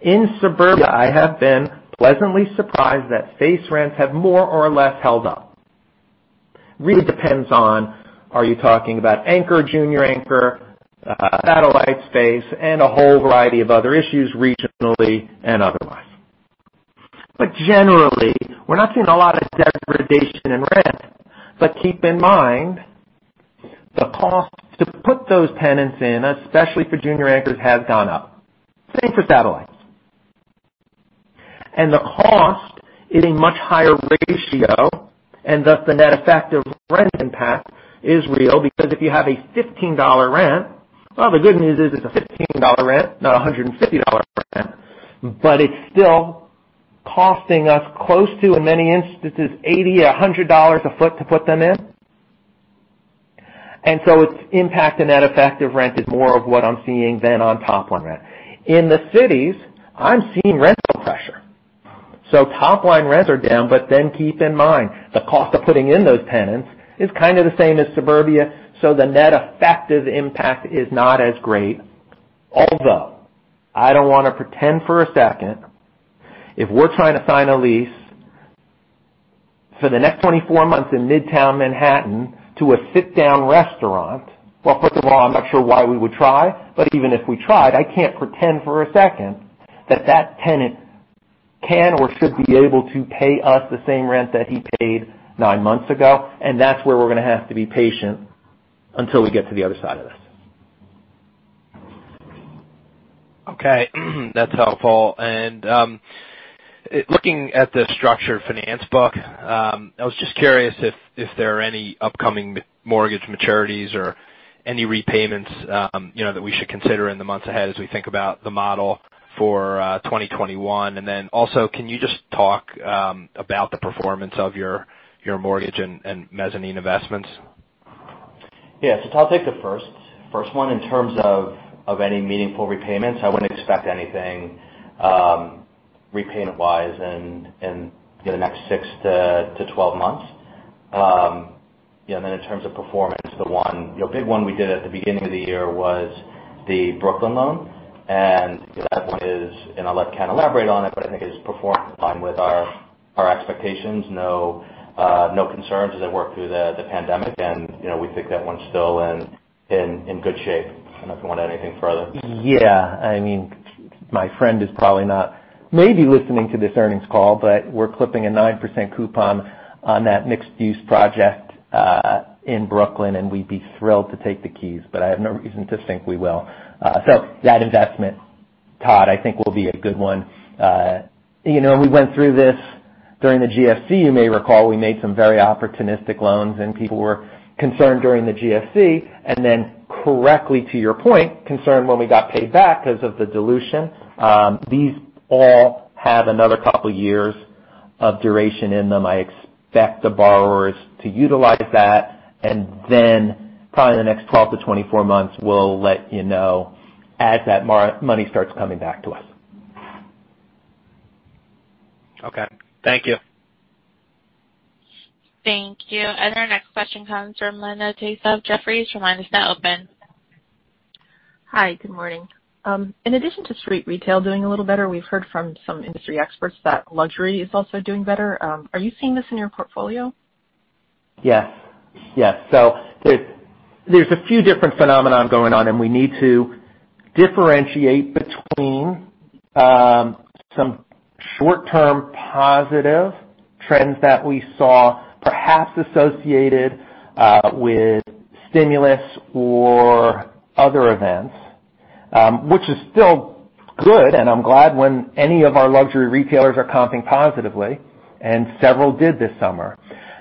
In suburbia, I have been pleasantly surprised that base rents have more or less held up. Really depends on are you talking about anchor, junior anchor, satellite space, and a whole variety of other issues, regionally and otherwise. Generally, we're not seeing a lot of degradation in rent. Keep in mind, the cost to put those tenants in, especially for junior anchors, has gone up. Same for satellites. The cost is a much higher ratio. Thus, the net effect of rent impact is real, because if you have a $15 rent, well, the good news is it's a $15 rent, not a $150 rent, but it's still costing us close to, in many instances, $80, $100 a foot to put them in. Its impact to net effective rent is more of what I'm seeing than on top-line rent. In the cities, I'm seeing rental pressure. Top-line rents are down, but then keep in mind, the cost of putting in those tenants is kind of the same as suburbia, so the net effective impact is not as great. I don't want to pretend for a second, if we're trying to sign a lease for the next 24 months in Midtown Manhattan to a sit-down restaurant. Well, first of all, I'm not sure why we would try, but even if we tried, I can't pretend for a second that that tenant can or should be able to pay us the same rent that he paid nine months ago. That's where we're going to have to be patient until we get to the other side of this. Okay. That's helpful. Looking at the structured finance book, I was just curious if there are any upcoming mortgage maturities or any repayments that we should consider in the months ahead as we think about the model for 2021. Also, can you just talk about the performance of your mortgage and mezzanine investments? Yes. Todd, take the first. First one, in terms of any meaningful repayments, I wouldn't expect anything repayment-wise in the next six to 12 months. In terms of performance, the big one we did at the beginning of the year was the Brooklyn loan. That one is, and I'll let Ken elaborate on it, but I think it is performing in line with our expectations. No concerns as it worked through the pandemic, and we think that one's still in good shape. I don't know if you want to add anything further. My friend is probably not maybe listening to this earnings call, but we're clipping a 9% coupon on that mixed-use project in Brooklyn, and we'd be thrilled to take the keys. I have no reason to think we will. That investment, Todd, I think, will be a good one. We went through this during the GFC, you may recall. We made some very opportunistic loans, and people were concerned during the GFC, and then correctly to your point, concerned when we got paid back because of the dilution. These all have another couple of years of duration in them. I expect the borrowers to utilize that, and then probably in the next 12 to 24 months, we'll let you know as that money starts coming back to us. Okay. Thank you. Thank you. Our next question comes from Linda Tsai of Jefferies, your line is now open. Hi, good morning. In addition to street retail doing a little better, we've heard from some industry experts that luxury is also doing better. Are you seeing this in your portfolio? Yes. There's a few different phenomenon going on. We need to differentiate between some short-term positive trends that we saw, perhaps associated with stimulus or other events, which is still good. I'm glad when any of our luxury retailers are comping positively, and several did this summer.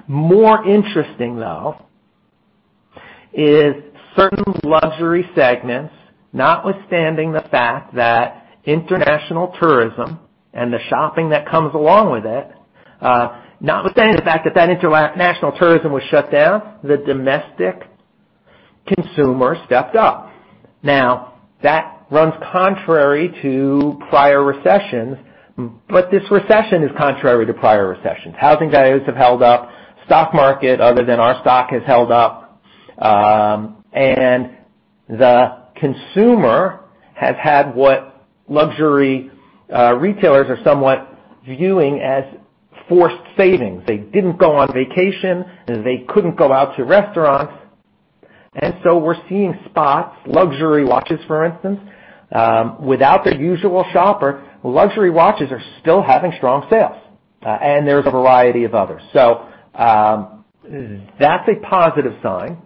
More interesting, though, is certain luxury segments, notwithstanding the fact that international tourism and the shopping that comes along with it, notwithstanding the fact that that international tourism was shut down, the domestic consumer stepped up. That runs contrary to prior recessions, but this recession is contrary to prior recessions. Housing values have held up, stock market, other than our stock, has held up. The consumer has had what luxury retailers are somewhat viewing as forced savings. They didn't go on vacation. They couldn't go out to restaurants. We're seeing spots, luxury watches, for instance, without their usual shopper, luxury watches are still having strong sales. There's a variety of others. That's a positive sign.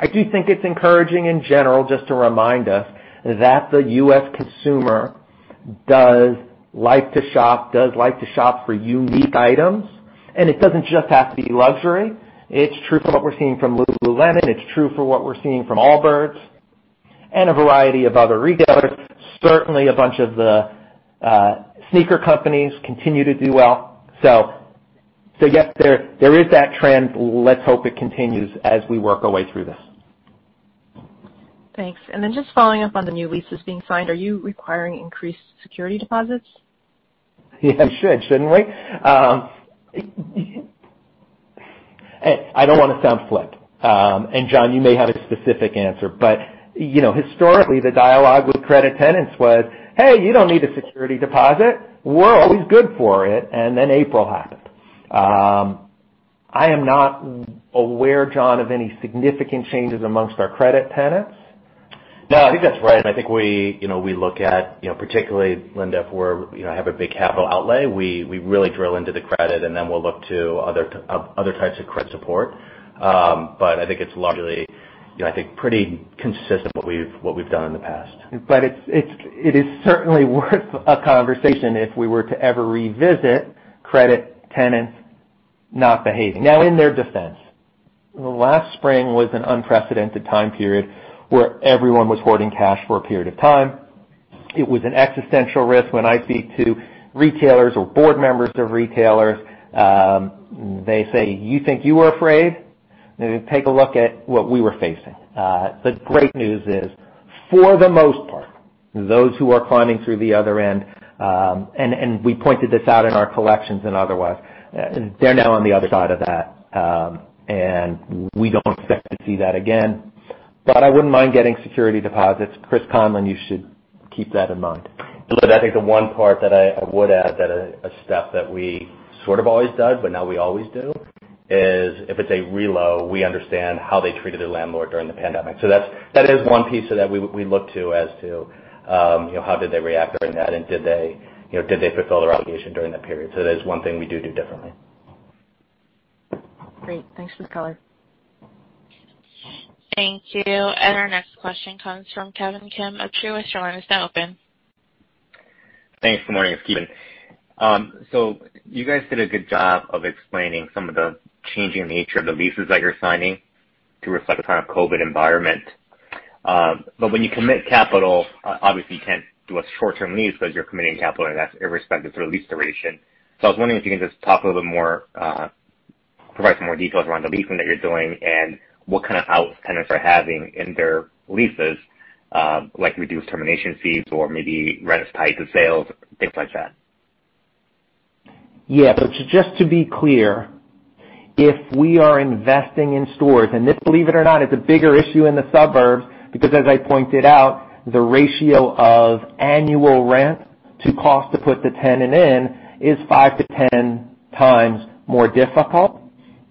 I do think it's encouraging in general just to remind us that the U.S. consumer does like to shop for unique items, and it doesn't just have to be luxury. It's true for what we're seeing from Lululemon, it's true for what we're seeing from Allbirds, and a variety of other retailers. Certainly, a bunch of the sneaker companies continue to do well. Yes, there is that trend. Let's hope it continues as we work our way through this. Thanks. Just following up on the new leases being signed, are you requiring increased security deposits? Yeah. We should, shouldn't we? I don't want to sound flip. John, you may have a specific answer, but historically, the dialogue with credit tenants was, "Hey, you don't need a security deposit. We're always good for it." Then April happened. I am not aware, John, of any significant changes amongst our credit tenants. No, I think that's right. I think we look at, particularly Linda, if we have a big capital outlay, we really drill into the credit, and then we'll look to other types of credit support. I think it's largely pretty consistent with what we've done in the past. It is certainly worth a conversation if we were to ever revisit credit tenants not behaving. Now, in their defense, last spring was an unprecedented time period where everyone was hoarding cash for a period of time. It was an existential risk. When I speak to retailers or board members of retailers, they say, "You think you were afraid? Take a look at what we were facing." The great news is, for the most part, those who are climbing through the other end, and we pointed this out in our collections and otherwise, they're now on the other side of that. We don't expect to see that again. I wouldn't mind getting security deposits. Chris Conlon, you should keep that in mind. Linda, I think the one part that I would add, that a step that we sort of always did, but now we always do, is if it's a renewal, we understand how they treated their landlord during the pandemic. That is one piece that we look to as to how did they react during that, and did they fulfill their obligation during that period? That is one thing we do differently. Great. Thanks for the color. Thank you. Our next question comes from Ki Bin Kim of Truist. Your line is now open. Thanks. Good morning, it's Ki Bin. You guys did a good job of explaining some of the changing nature of the leases that you're signing to reflect the kind of COVID environment. When you commit capital, obviously, you can't do a short-term lease because you're committing capital, and that's irrespective to the lease duration. I was wondering if you can just talk a little bit more, provide some more details around the leasing that you're doing and what kind of outlets tenants are having in their leases, like reduced termination fees or maybe rent is tied to sales, things like that. Yeah. Just to be clear, if we are investing in stores, and this, believe it or not, is a bigger issue in the suburbs because, as I pointed out, the ratio of annual rent to cost to put the tenant in is five to 10 times more difficult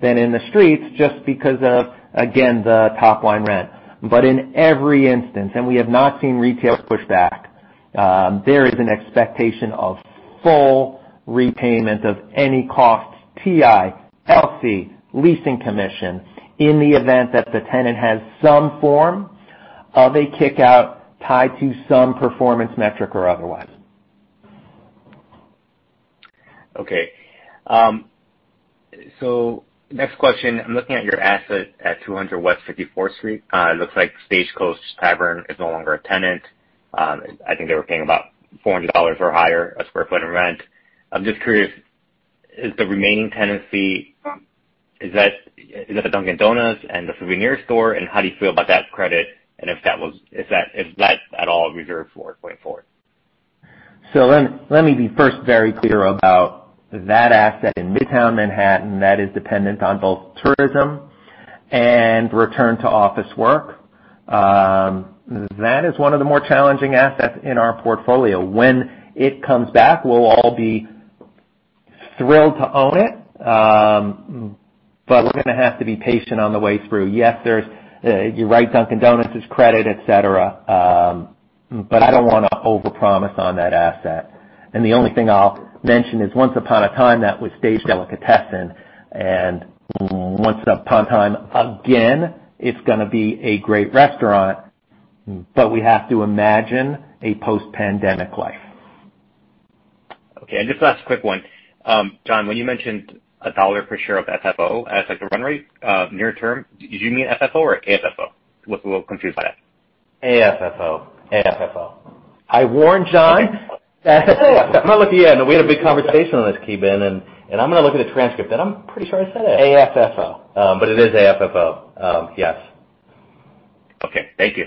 than in the streets just because of, again, the top-line rent. In every instance, and we have not seen retailers push back, there is an expectation of full repayment of any costs, TI, LC, leasing commission, in the event that the tenant has some form of a kick-out tied to some performance metric or otherwise. Okay. Next question, I'm looking at your asset at 200 West 54th Street. It looks like Stagecoach Tavern is no longer a tenant. I think they were paying about $400 or higher a square foot in rent. I'm just curious, is the remaining tenancy, is that a Dunkin' Donuts and the souvenir store, and how do you feel about that credit, and if that's at all reserved for going forward? Let me be first very clear about that asset in Midtown Manhattan, that is dependent on both tourism and return to office work. That is one of the more challenging assets in our portfolio. When it comes back, we'll all be thrilled to own it. We're going to have to be patient on the way through. Yes, you're right, Dunkin' Donuts is credit, et cetera. I don't want to overpromise on that asset. The only thing I'll mention is once upon a time, that was Stage Delicatessen, and once upon a time again, it's going to be a great restaurant, but we have to imagine a post-pandemic life. Okay. Just last quick one. John, when you mentioned a $1 per share of FFO as like the run rate near term, did you mean FFO or AFFO? I was a little confused by that. AFFO. AFFO. I warned John. I'm going to look, yeah, we had a big conversation on this, Ki Bin, and I'm going to look at the transcript, and I'm pretty sure I said it. AFFO. It is AFFO. Yes. Okay. Thank you.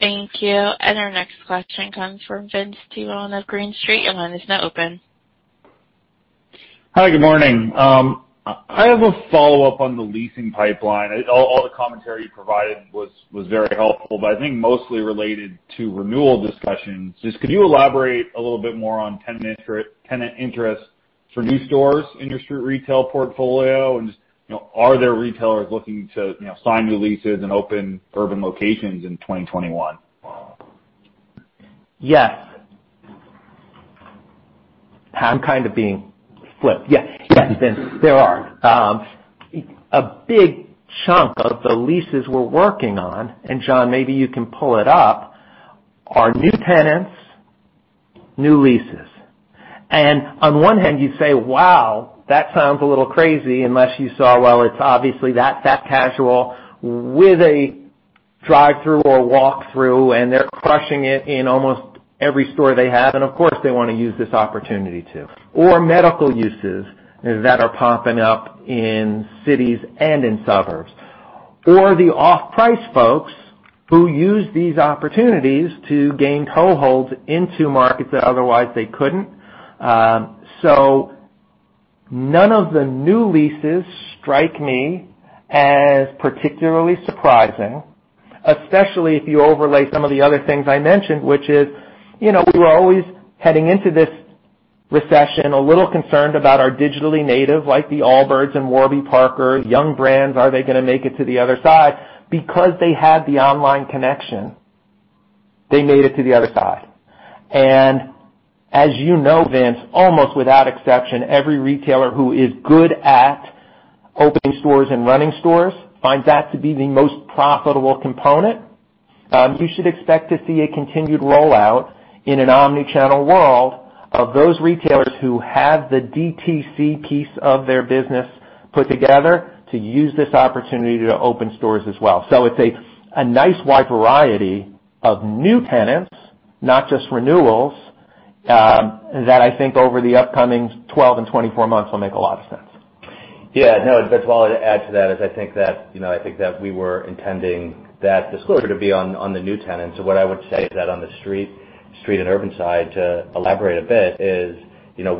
Thank you. Our next question comes from Vince Tibone of Green Street. Your line is now open. Hi, good morning. I have a follow-up on the leasing pipeline. All the commentary you provided was very helpful, but I think mostly related to renewal discussions. Just could you elaborate a little bit more on tenant interest for new stores in your street retail portfolio, and just are there retailers looking to sign new leases and open urban locations in 2021? I'm kind of being flipped. Yes, Vince, there are. A big chunk of the leases we're working on, John, maybe you can pull it up, are new tenants, new leases. On one hand, you say, wow, that sounds a little crazy unless you saw, well, it's obviously that fast casual with a drive-through or walk-through, and they're crushing it in almost every store they have, and of course, they want to use this opportunity to. Medical uses that are popping up in cities and in suburbs. The off-price folks who use these opportunities to gain toeholds into markets that otherwise they couldn't. None of the new leases strike me as particularly surprising, especially if you overlay some of the other things I mentioned, which is we were always heading into this recession, a little concerned about our digitally native, like the Allbirds and Warby Parker, young brands, are they going to make it to the other side? They had the online connection, they made it to the other side. As you know, Vince, almost without exception, every retailer who is good at opening stores and running stores finds that to be the most profitable component. You should expect to see a continued rollout in an omni-channel world of those retailers who have the DTC piece of their business put together to use this opportunity to open stores as well. It's a nice wide variety of new tenants, not just renewals, that I think over the upcoming 12 and 24 months will make a lot of sense. Yeah. Vince, while I add to that is I think that we were intending that disclosure to be on the new tenants. What I would say is that on the street and urban side, to elaborate a bit is,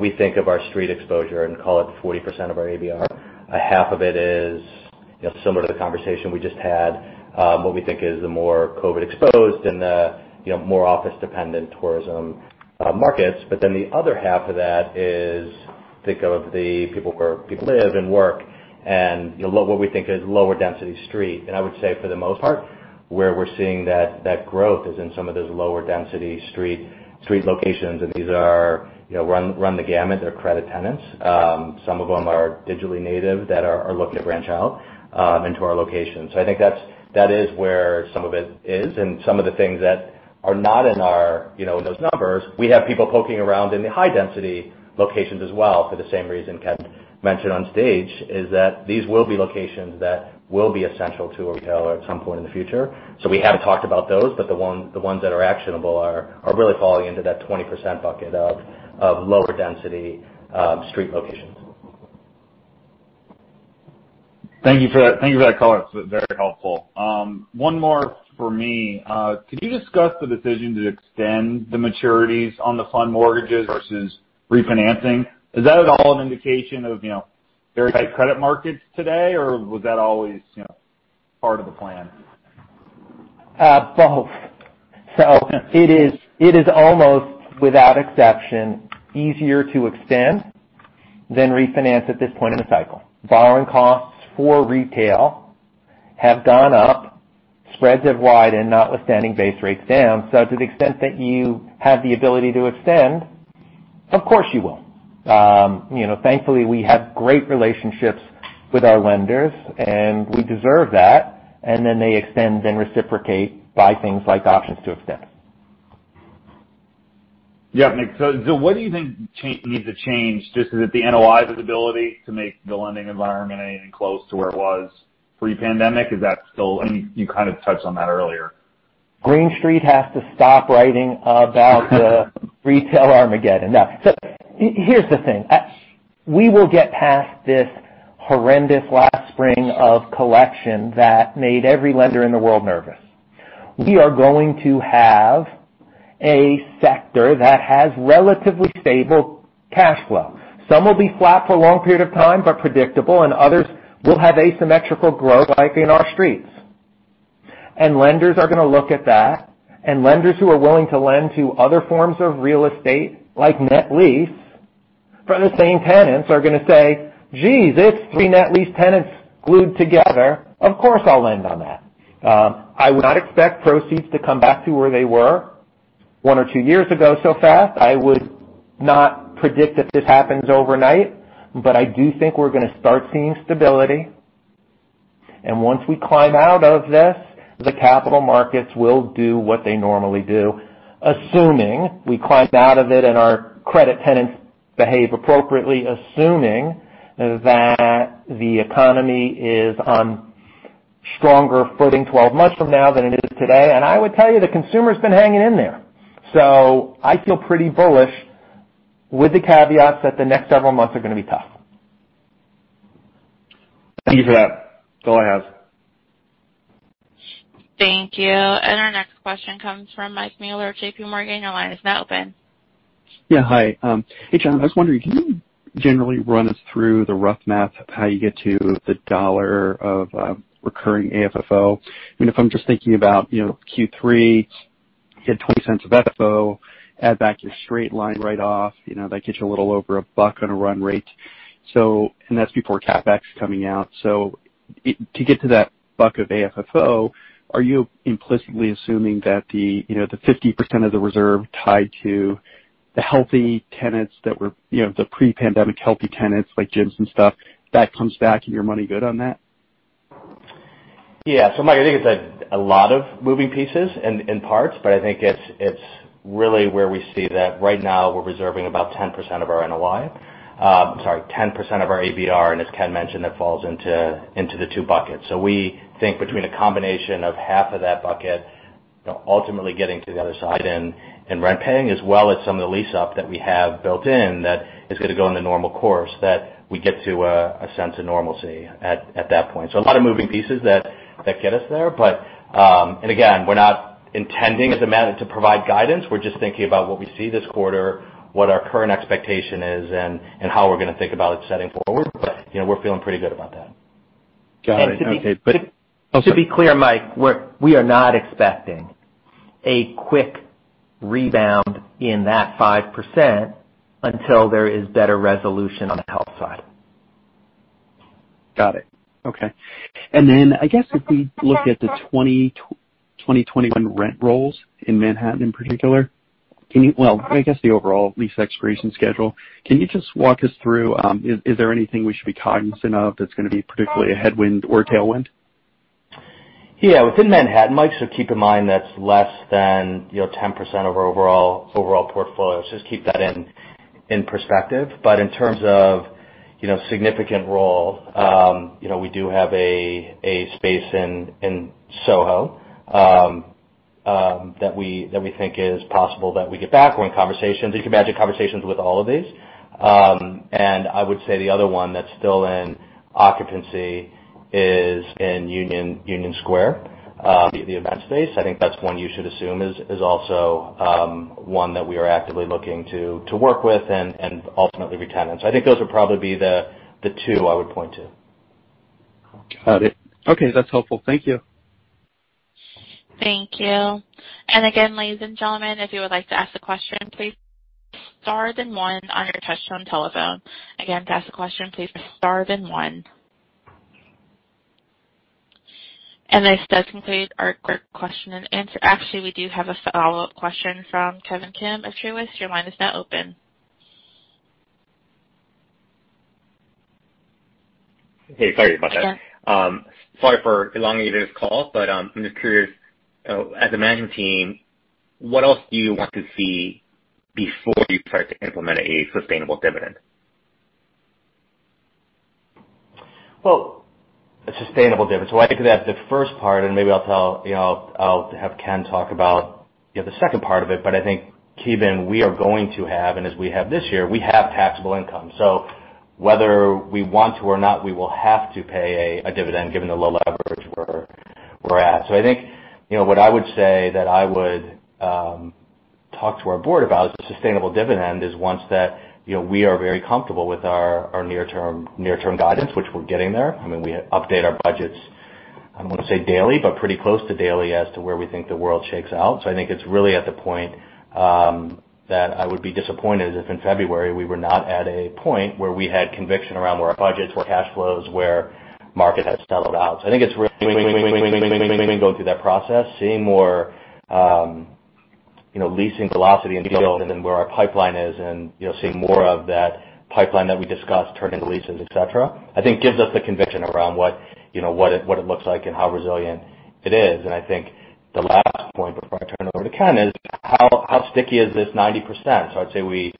we think of our street exposure and call it 40% of our ABR. Half of it is similar to the conversation we just had, what we think is the more COVID exposed and the more office dependent tourism markets. The other half of that is, think of the people where people live and work, and what we think is lower density street. I would say for the most part, where we're seeing that growth is in some of those lower density street locations. These run the gamut. They're credit tenants. Some of them are digitally native that are looking to branch out into our locations. I think that is where some of it is. Some of the things that are not in those numbers, we have people poking around in the high density locations as well for the same reason Ken mentioned on stage, is that these will be locations that will be essential to a retailer at some point in the future. We haven't talked about those, but the ones that are actionable are really falling into that 20% bucket of lower density, street locations. Thank you for that color. It's very helpful. One more for me. Could you discuss the decision to extend the maturities on the fund mortgages versus refinancing? Is that at all an indication of very tight credit markets today, or was that always part of the plan? Both. It is almost without exception, easier to extend than refinance at this point in the cycle. Borrowing costs for retail have gone up. Spreads have widened, notwithstanding base rates down. To the extent that you have the ability to extend, of course, you will. Thankfully, we have great relationships with our lenders, and we deserve that, and then they extend, then reciprocate by things like options to extend. Yeah. What do you think needs to change? Just is it the NOI's ability to make the lending environment anything close to where it was pre-pandemic? Is that still? You kind of touched on that earlier. Green Street has to stop writing about the retail Armageddon. No. Here's the thing. We will get past this horrendous last spring of collection that made every lender in the world nervous. We are going to have a sector that has relatively stable cash flow. Some will be flat for a long period of time, but predictable, and others will have asymmetrical growth like in our streets. Lenders are going to look at that, and lenders who are willing to lend to other forms of real estate, like net lease for the same tenants, are going to say, "Geez, it's three net lease tenants glued together. Of course, I'll lend on that." I would not expect proceeds to come back to where they were one or two years ago so fast. I would not predict that this happens overnight. I do think we're going to start seeing stability. Once we climb out of this, the capital markets will do what they normally do, assuming we climb out of it and our credit tenants behave appropriately, assuming that the economy is on stronger footing 12 months from now than it is today. I would tell you, the consumer's been hanging in there. I feel pretty bullish with the caveat that the next several months are going to be tough. Thank you for that. That's all I have. Thank you. Our next question comes from Mike Mueller of JPMorgan. Your line is now open. Yeah. Hi. Hey, John. I was wondering, can you generally run us through the rough math of how you get to the dollar of recurring AFFO? If I'm just thinking about Q3, you had $0.20 of FFO. Add back your straight line write-off, that gets you a little over a buck on a run rate. That's before CapEx coming out. To get to that buck of AFFO, are you implicitly assuming that the 50% of the reserve tied to the pre-pandemic healthy tenants, like gyms and stuff, that comes back, and you're money good on that? Yeah. Mike, I think it's a lot of moving pieces in parts, but I think it's really where we see that right now we're reserving about 10% of our NOI. I'm sorry, 10% of our ABR, as Ken mentioned, that falls into the two buckets. We think between a combination of half of that bucket, ultimately getting to the other side in rent paying, as well as some of the lease up that we have built in that is going to go in the normal course, that we get to a sense of normalcy at that point. A lot of moving pieces that get us there. Again, we're not intending as a matter to provide guidance. We're just thinking about what we see this quarter, what our current expectation is, and how we're going to think about it setting forward. We're feeling pretty good about that. Got it. Okay. To be clear, Mike, we are not expecting a quick rebound in that 5% until there is better resolution on the health side. Got it. Okay. I guess if we look at the 2021 rent rolls in Manhattan in particular, well, I guess the overall lease expiration schedule. Can you just walk us through, is there anything we should be cognizant of that's going to be particularly a headwind or tailwind? Yeah. Within Manhattan, Mike, keep in mind that's less than 10% of our overall portfolio. Just keep that in perspective. In terms of significant role, we do have a space in Soho, that we think is possible that we get back. We're in conversations. You can imagine conversations with all of these. I would say the other one that's still in occupancy is in Union Square, the event space. I think that's one you should assume is also one that we are actively looking to work with and ultimately be tenants. I think those would probably be the two I would point to. Got it. Okay. That's helpful. Thank you. Thank you. Again, ladies and gentlemen, if you would like to ask a question, please star then one on your touchtone telephone. Again, to ask a question, please star then one. This does conclude our question and answer. Actually, we do have a follow-up question from Ki Bin Kim of Truist. Your line is now open. Hey, sorry about that. Yeah. Sorry for elongating this call, but I'm just curious, as a management team, what else do you want to see before you start to implement a sustainable dividend? A sustainable dividend. I could have the first part, and maybe I'll have Ken talk about the second part of it. I think, Ki Bin, we are going to have, and as we have this year, we have taxable income. Whether we want to or not, we will have to pay a dividend given the low leverage we're at. I think what I would say that I would talk to our board about is the sustainable dividend is once that we are very comfortable with our near-term guidance, which we're getting there. We update our budgets, I don't want to say daily, but pretty close to daily as to where we think the world shakes out. I think it's really at the point that I would be disappointed if in February we were not at a point where we had conviction around where our budgets, where cash flows, where market has settled out. I think it's really going through that process, seeing more leasing velocity in the field and then where our pipeline is and seeing more of that pipeline that we discussed turning to leases, et cetera. I think gives us the conviction around what it looks like and how resilient it is. I think the last point before I turn it over to Ken is how sticky is this 90%? I'd say we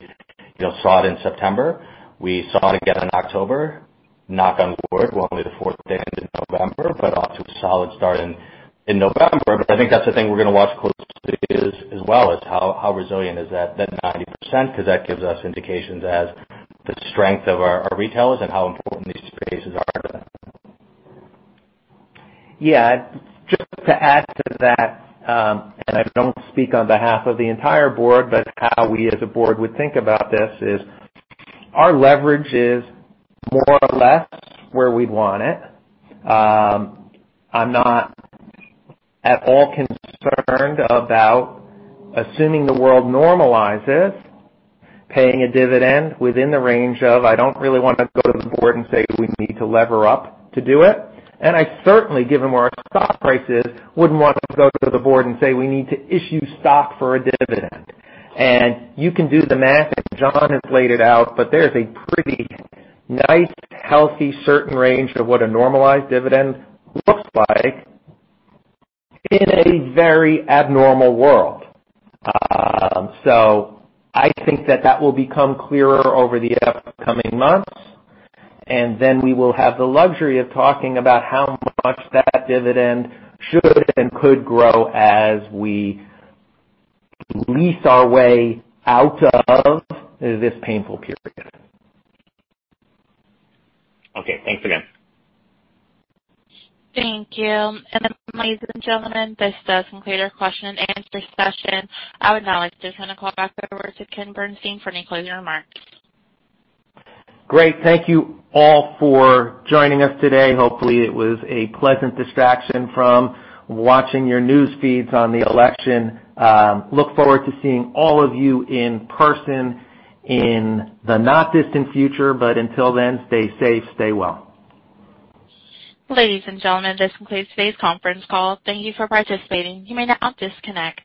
saw it in September. We saw it again in October. Knock on wood, we're only the fourth day into November, but off to a solid start in November. I think that's the thing we're going to watch closely as well is how resilient is that 90% because that gives us indications as the strength of our retailers and how important these spaces are to them. Yeah. Just to add to that, I don't speak on behalf of the entire board, but how we as a board would think about this is our leverage is more or less where we'd want it. I'm not at all concerned about assuming the world normalizes, paying a dividend within the range of, I don't really want to go to the board and say we need to lever up to do it. I certainly given where our stock price is, wouldn't want to go to the board and say we need to issue stock for a dividend. You can do the math as John has laid it out, but there's a pretty nice, healthy, certain range of what a normalized dividend looks like in a very abnormal world. I think that that will become clearer over the upcoming months, and then we will have the luxury of talking about how much that dividend should and could grow as we lease our way out of this painful period. Okay. Thanks again. Thank you. Ladies and gentlemen, this does conclude our question and answer session. I would now like to turn the call back over to Ken Bernstein for any closing remarks. Great. Thank you all for joining us today. Hopefully, it was a pleasant distraction from watching your news feeds on the election. Look forward to seeing all of you in person in the not distant future, but until then, stay safe, stay well. Ladies and gentlemen, this concludes today's conference call. Thank you for participating. You may now disconnect.